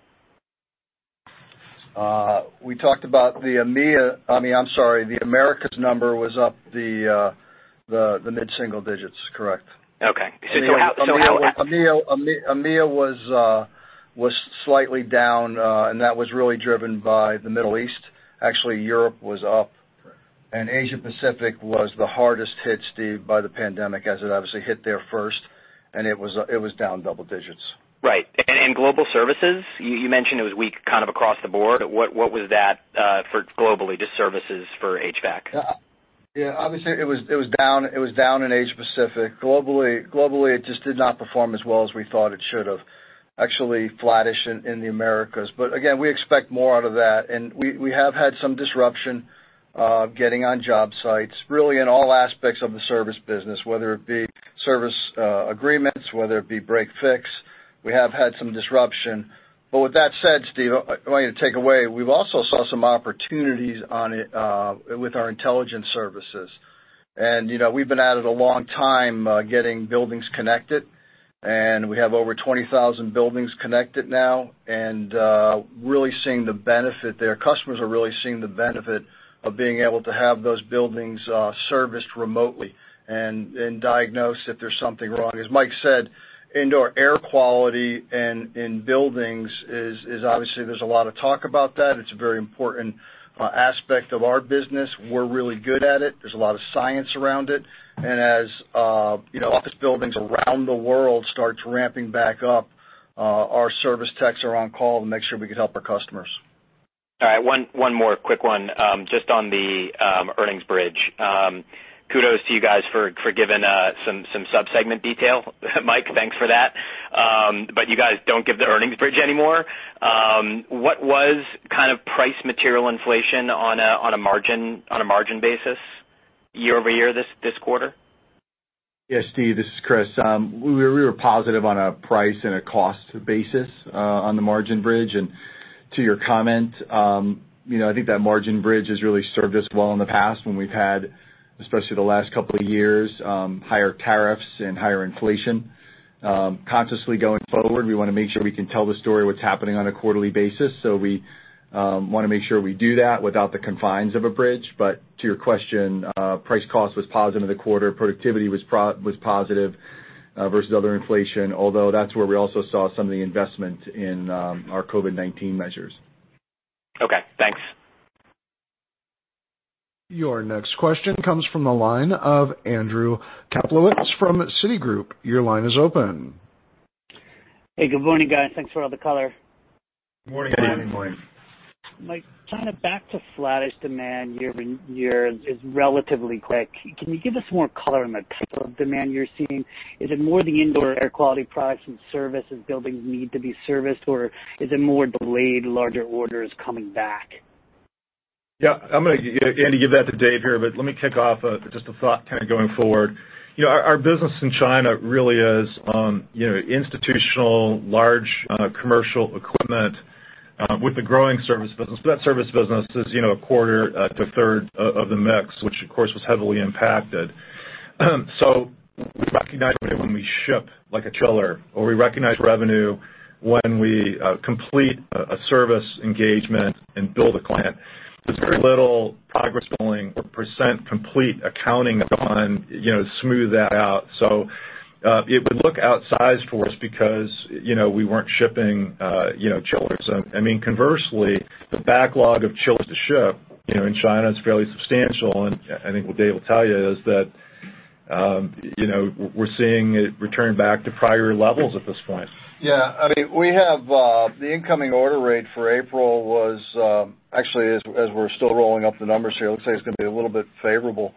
We talked about, I'm sorry, the Americas number was up the mid single-digits, correct. Okay. EMEA was slightly down, and that was really driven by the Middle East. Actually, Europe was up, and Asia Pacific was the hardest hit, Steve, by the pandemic, as it obviously hit there first, and it was down double-digits. Right. And in, global services? You mentioned it was weak kind of across the board. What was that for globally, just services for HVAC? Yeah, obviously it was down in Asia Pacific. Globally, it just did not perform as well as we thought it should have. Actually flattish in the Americas. Again, we expect more out of that. We have had some disruption getting on job sites, really in all aspects of the service business, whether it be service agreements, whether it be break/fix, we have had some disruption. With that said, Steve, I want you to take away, we've also saw some opportunities with our intelligent services. We've been at it a long time getting buildings connected, and we have over 20,000 buildings connected now and really seeing the benefit there. Customers are really seeing the benefit of being able to have those buildings serviced remotely and diagnose if there's something wrong. As Mike said, indoor air quality in buildings is obviously, there's a lot of talk about that. It's a very important aspect of our business. We're really good at it. There's a lot of science around it. As office buildings around the world start ramping back up, our service techs are on call to make sure we can help our customers. All right. One more quick one. Just on the earnings bridge. Kudos to you guys for giving some sub-segment detail. Mike, thanks for that. You guys don't give the earnings bridge anymore. What was price material inflation on a margin basis year-over-year this quarter? Yes, Steve, this is Chris. We were positive on a price and a cost basis on the margin bridge. To your comment, I think that margin bridge has really served us well in the past when we've had, especially the last couple of years, higher tariffs and higher inflation. Consciously going forward, we want to make sure we can tell the story of what's happening on a quarterly basis. We want to make sure we do that without the confines of a bridge. To your question, price cost was positive in the quarter. Productivity was positive versus other inflation, although that's where we also saw some of the investment in our COVID-19 measures. Okay, thanks. Your next question comes from the line of Andrew Kaplowitz from Citigroup. Your line is open. Hey, good morning, guys. Thanks for all the color. Good morning, Andy. Good morning. Mike, kind of back to flattish demand year-over-year is relatively quick. Can you give us more color on the type of demand you're seeing? Is it more the indoor air quality products and services, buildings need to be serviced, or is it more delayed larger orders coming back? Yeah. I'm going to, Andy, give that to Dave here. Let me kick off with just a thought kind of going forward. Our business in China really is institutional, large commercial equipment with the growing service business. That service business is a quarter to a third of the mix, which of course was heavily impacted. We recognize revenue when we ship, like a chiller, or we recognize revenue when we complete a service engagement and bill the client. There's very little progress billing or percent complete accounting. It would look outsized for us because we weren't shipping chillers. Conversely, the backlog of chillers to ship in China is fairly substantial, and I think what Dave will tell you is that we're seeing it return back to prior levels at this point. Yeah. The incoming order rate for April was actually, as we're still rolling up the numbers here, it looks like it's going to be a little bit favorable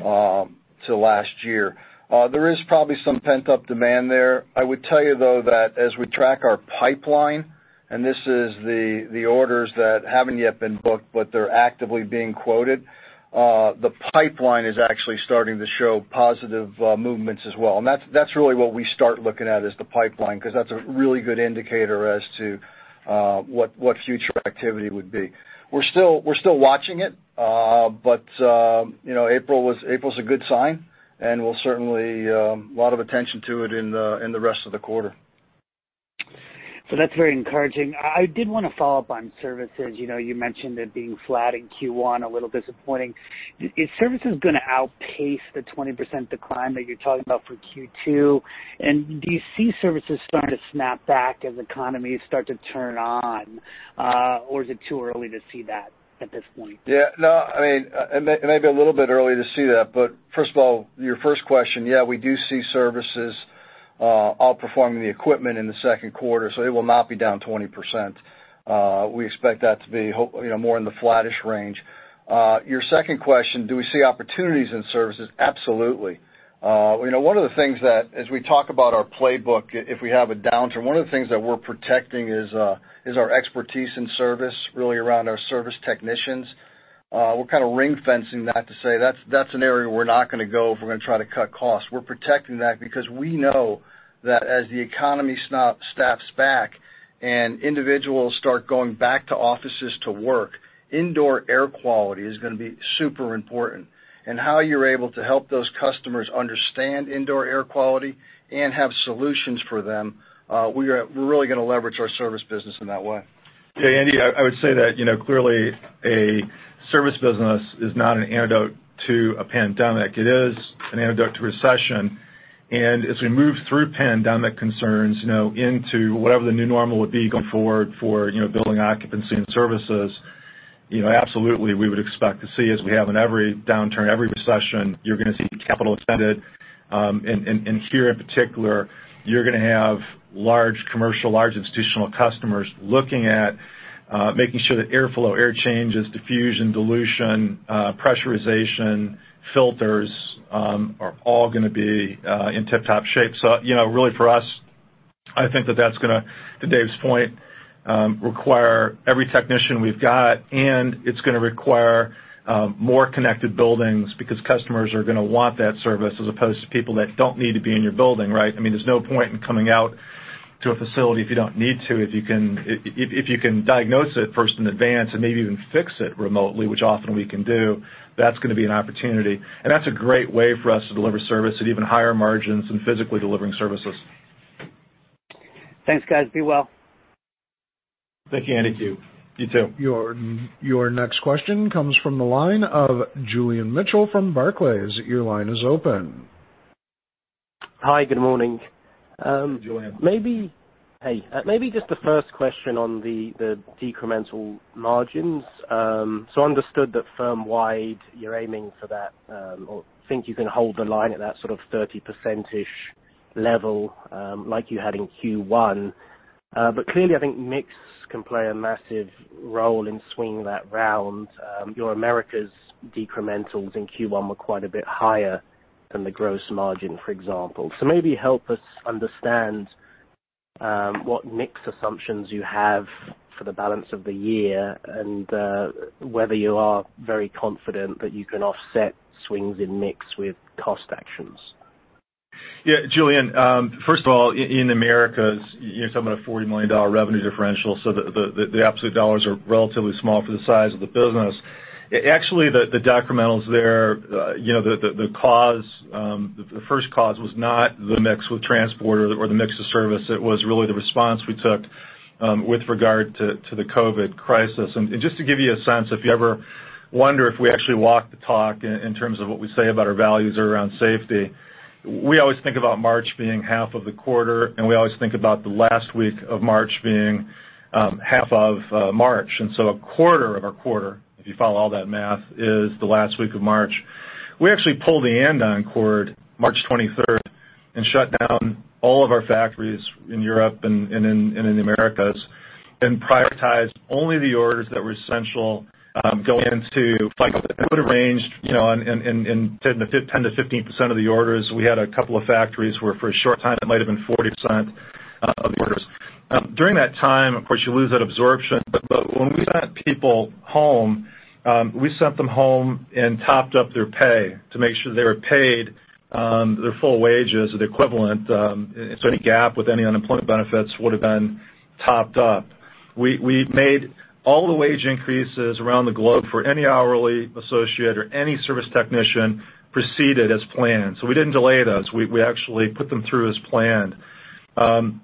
to last year. There is probably some pent-up demand there. I would tell you, though, that as we track our pipeline, and this is the orders that haven't yet been booked, but they're actively being quoted. The pipeline is actually starting to show positive movements as well. That's really what we start looking at, is the pipeline, because that's a really good indicator as to what future activity would be. We're still watching it. April's a good sign, and we'll certainly pay a lot of attention to it in the rest of the quarter. That's very encouraging. I did want to follow up on services. You mentioned it being flat in Q1, a little disappointing. Is services going to outpace the 20% decline that you're talking about for Q2? Do you see services starting to snap back as economies start to turn on? Or is it too early to see that at this point? It may be a little bit early to see that. First of all, your first question, yeah, we do see services outperforming the equipment in the second quarter, so it will not be down 20%. We expect that to be more in the flattish range. Your second question, do we see opportunities in services? Absolutely. One of the things that, as we talk about our playbook, if we have a downturn, one of the things that we're protecting is our expertise in service, really around our service technicians. We're kind of ring-fencing that to say that's an area we're not going to go if we're going to try to cut costs. We're protecting that because we know that as the economy snaps back and individuals start going back to offices to work, indoor air quality is going to be super important. How you're able to help those customers understand indoor air quality and have solutions for them, we're really going to leverage our service business in that way. Yeah, Andy, I would say that clearly a service business is not an antidote to a pandemic. It is an antidote to recession. As we move through pandemic concerns into whatever the new normal would be going forward for building occupancy and services, absolutely, we would expect to see, as we have in every downturn, every recession, you're going to see capital extended. Here in particular, you're going to have large commercial, large institutional customers looking at making sure that airflow, air changes, diffusion, dilution, pressurization, filters are all going to be in tip-top shape. Really for us, I think that's going to Dave's point, require every technician we've got, and it's going to require more connected buildings because customers are going to want that service as opposed to people that don't need to be in your building, right? There's no point in coming out to a facility if you don't need to, if you can diagnose it first in advance and maybe even fix it remotely, which often we can do. That's going to be an opportunity. That's a great way for us to deliver service at even higher margins than physically delivering services. Thanks, guys. Be well. Thank you, Andy. You too. Your next question comes from the line of Julian Mitchell from Barclays. Your line is open. Hi, good morning. Hey, Julian. Hey. Maybe just the first question on the decremental margins. Understood that firm-wide, you're aiming for that, or think you can hold the line at that sort of 30%-ish level, like you had in Q1. Clearly, I think mix can play a massive role in swinging that round. Your Americas decrementals in Q1 were quite a bit higher than the gross margin, for example. Maybe help us understand what mix assumptions you have for the balance of the year and whether you are very confident that you can offset swings in mix with cost actions. Yeah. Julian, first of all, in Americas, you're talking about a $40 million revenue differential. The absolute dollars are relatively small for the size of the business. Actually, the decrementals there, the first cause was not the mix with transport or the mix of service. It was really the response we took with regard to the COVID crisis. Just to give you a sense, if you ever wonder if we actually walk the talk in terms of what we say about our values around safety, we always think about March being half of the quarter, and we always think about the last week of March being half of March. A quarter of our quarter, if you follow all that math, is the last week of March. We actually pulled the andon cord March 23rd and shut down all of our factories in Europe and in the Americas and prioritized only the orders that were essential, go into it would have ranged in 10%-15% of the orders. We had a couple of factories where for a short time, it might have been 40% of the orders. During that time, of course, you lose that absorption. When we sent people home, we sent them home and topped up their pay to make sure they were paid their full wages or the equivalent. Any gap with any unemployment benefits would have been topped up. We made all the wage increases around the globe for any hourly associate or any service technician proceeded as planned. We didn't delay those. We actually put them through as planned.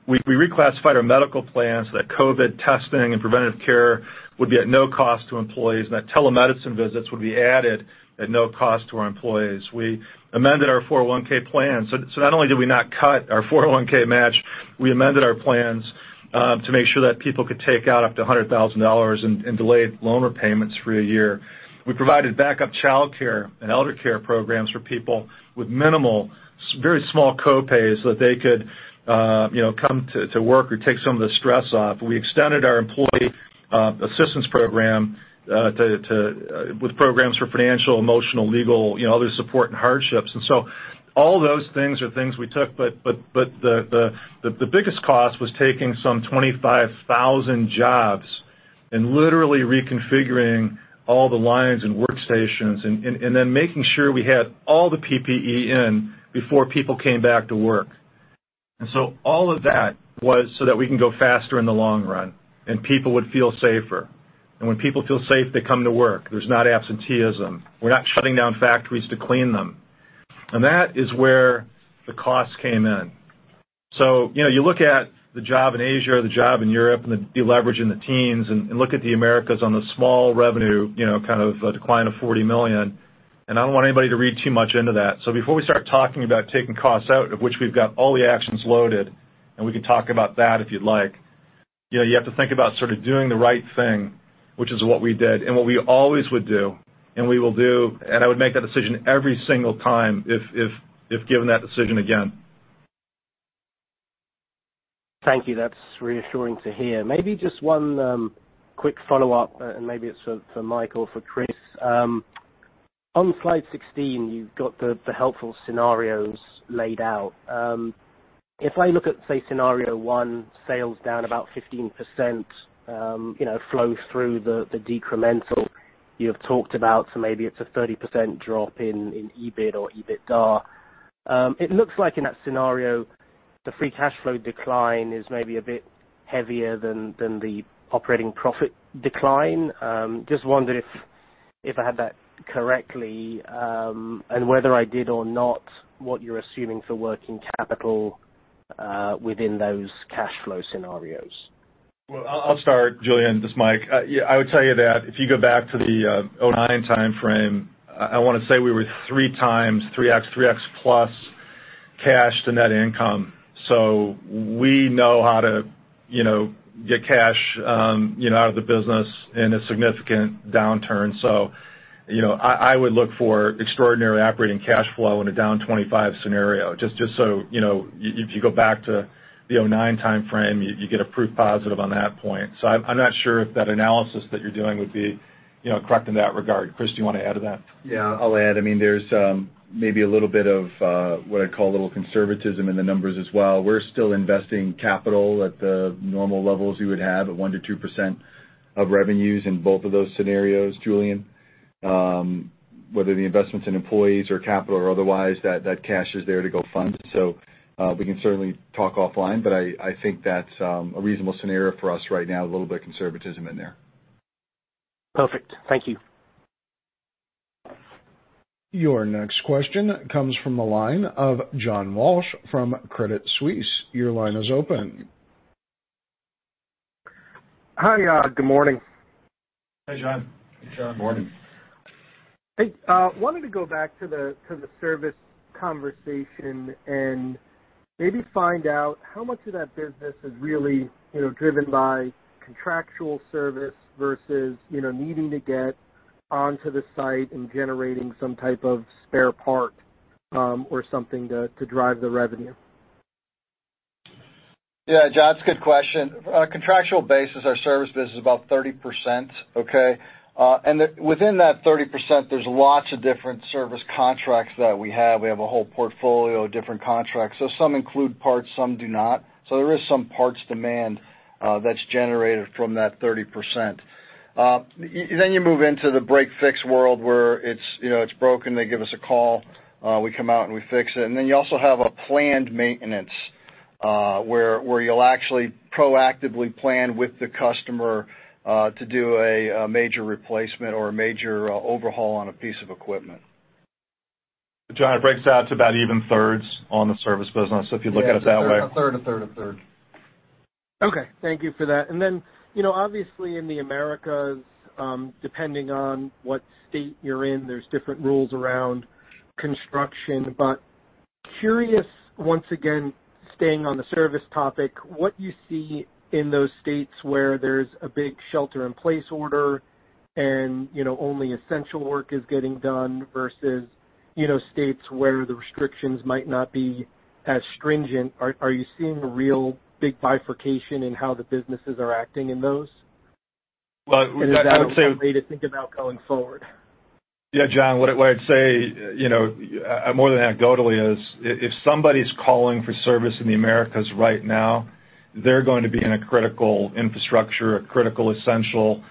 We reclassified our medical plans so that COVID testing and preventative care would be at no cost to employees, and that telemedicine visits would be added at no cost to our employees. We amended our 401(k) plan. Not only did we not cut our 401(k) match, we amended our plans to make sure that people could take out up to $100,000 and delay loan repayments for a year. We provided backup childcare and eldercare programs for people with minimal, very small copays so that they could come to work or take some of the stress off. We extended our employee assistance program with programs for financial, emotional, legal, other support and hardships. All those things are things we took, but the biggest cost was taking some 25,000 jobs and literally reconfiguring all the lines and workstations and then making sure we had all the PPE in before people came back to work. All of that was so that we can go faster in the long run and people would feel safer. When people feel safe, they come to work. There's not absenteeism. We're not shutting down factories to clean them. That is where the cost came in. You look at the job in Asia, the job in Europe, and the deleverage in the teens, look at the Americas on the small revenue, kind of a decline of $40 million, I don't want anybody to read too much into that. Before we start talking about taking costs out, of which we've got all the actions loaded, and we can talk about that if you'd like, you have to think about sort of doing the right thing, which is what we did, and what we always would do, and we will do, and I would make that decision every single time if given that decision again. Thank you. That's reassuring to hear. Maybe just one quick follow-up, and maybe it's for Mike or for Chris. On slide 16, you've got the helpful scenarios laid out. If I look at, say, scenario one, sales down about 15%, flow through the decremental. You have talked about, so maybe it's a 30% drop in EBIT or EBITDA. It looks like in that scenario, the free cash flow decline is maybe a bit heavier than the operating profit decline. Just wondered if I had that correctly, and whether I did or not, what you're assuming for working capital within those cash flow scenarios. Well, I'll start, Julian. This is Mike. I would tell you that if you go back to the 2009 timeframe, I want to say we were 3X, 3X-plus cash to net income. We know how to get cash out of the business in a significant downturn. I would look for extraordinary operating cash flow in a down 25% scenario, just so if you go back to the 2009 timeframe, you get a proof positive on that point. I'm not sure if that analysis that you're doing would be correct in that regard. Chris, do you want to add to that? I'll add. There's maybe a little bit of what I'd call a little conservatism in the numbers as well. We're still investing capital at the normal levels we would have at 1% to 2% of revenues in both of those scenarios, Julian. Whether the investment's in employees or capital or otherwise, that cash is there to go fund. We can certainly talk offline, but I think that's a reasonable scenario for us right now, a little bit of conservatism in there. Perfect. Thank you. Your next question comes from the line of John Walsh from Credit Suisse. Your line is open. Hi. Good morning. Hey, John. John. Morning. Hey. Wanted to go back to the service conversation and maybe find out how much of that business is really driven by contractual service versus needing to get onto the site and generating some type of spare part or something to drive the revenue? Yeah, John, it's a good question. On a contractual basis, our service business is about 30%. Okay? Within that 30%, there's lots of different service contracts that we have. We have a whole portfolio of different contracts. Some include parts, some do not. There is some parts demand that's generated from that 30%. You move into the break/fix world, where it's broken, they give us a call, we come out, and we fix it. You also have a planned maintenance, where you'll actually proactively plan with the customer to do a major replacement or a major overhaul on a piece of equipment. John, it breaks out to about even thirds on the service business, so if you look at it that way. Yeah, a third, a third, a third. Okay, thank you for that. Obviously, in the Americas, depending on what state you're in, there's different rules around construction. Curious, once again, staying on the service topic, what you see in those states where there's a big shelter-in-place order and only essential work is getting done versus states where the restrictions might not be as stringent. Are you seeing a real big bifurcation in how the businesses are acting in those? Well, I would say. Is that a way to think about going forward? Yeah, John, what I'd say, more than anecdotally, is if somebody's calling for service in the Americas right now, they're going to be in a critical infrastructure, a critical, essential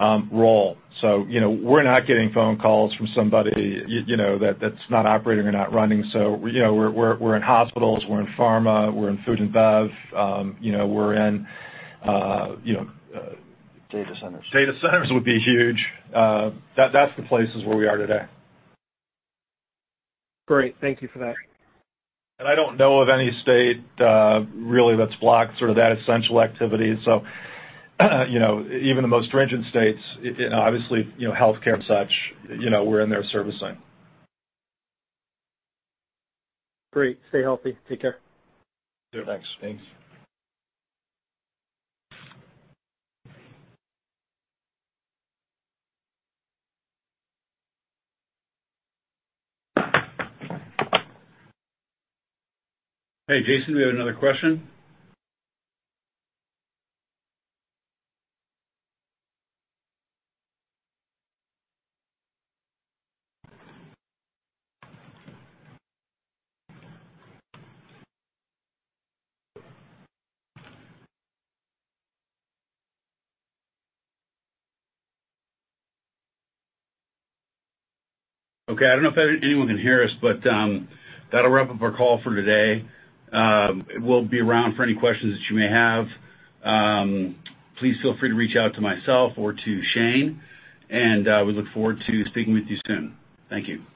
role. We're not getting phone calls from somebody that's not operating or not running. We're in hospitals, we're in pharma, we're in food and bev. Data centers would be huge. That's the places where we are today. Great. Thank you for that. I don't know of any state, really, that's blocked sort of that essential activity. Even the most stringent states, obviously, healthcare and such, we're in there servicing. Great. Stay healthy. Take care. You too. Thanks. Thanks. Hey, Jason, do we have another question? Okay, I don't know if anyone can hear us, but that'll wrap up our call for today. We'll be around for any questions that you may have. Please feel free to reach out to myself or to Shane, and we look forward to speaking with you soon. Thank you.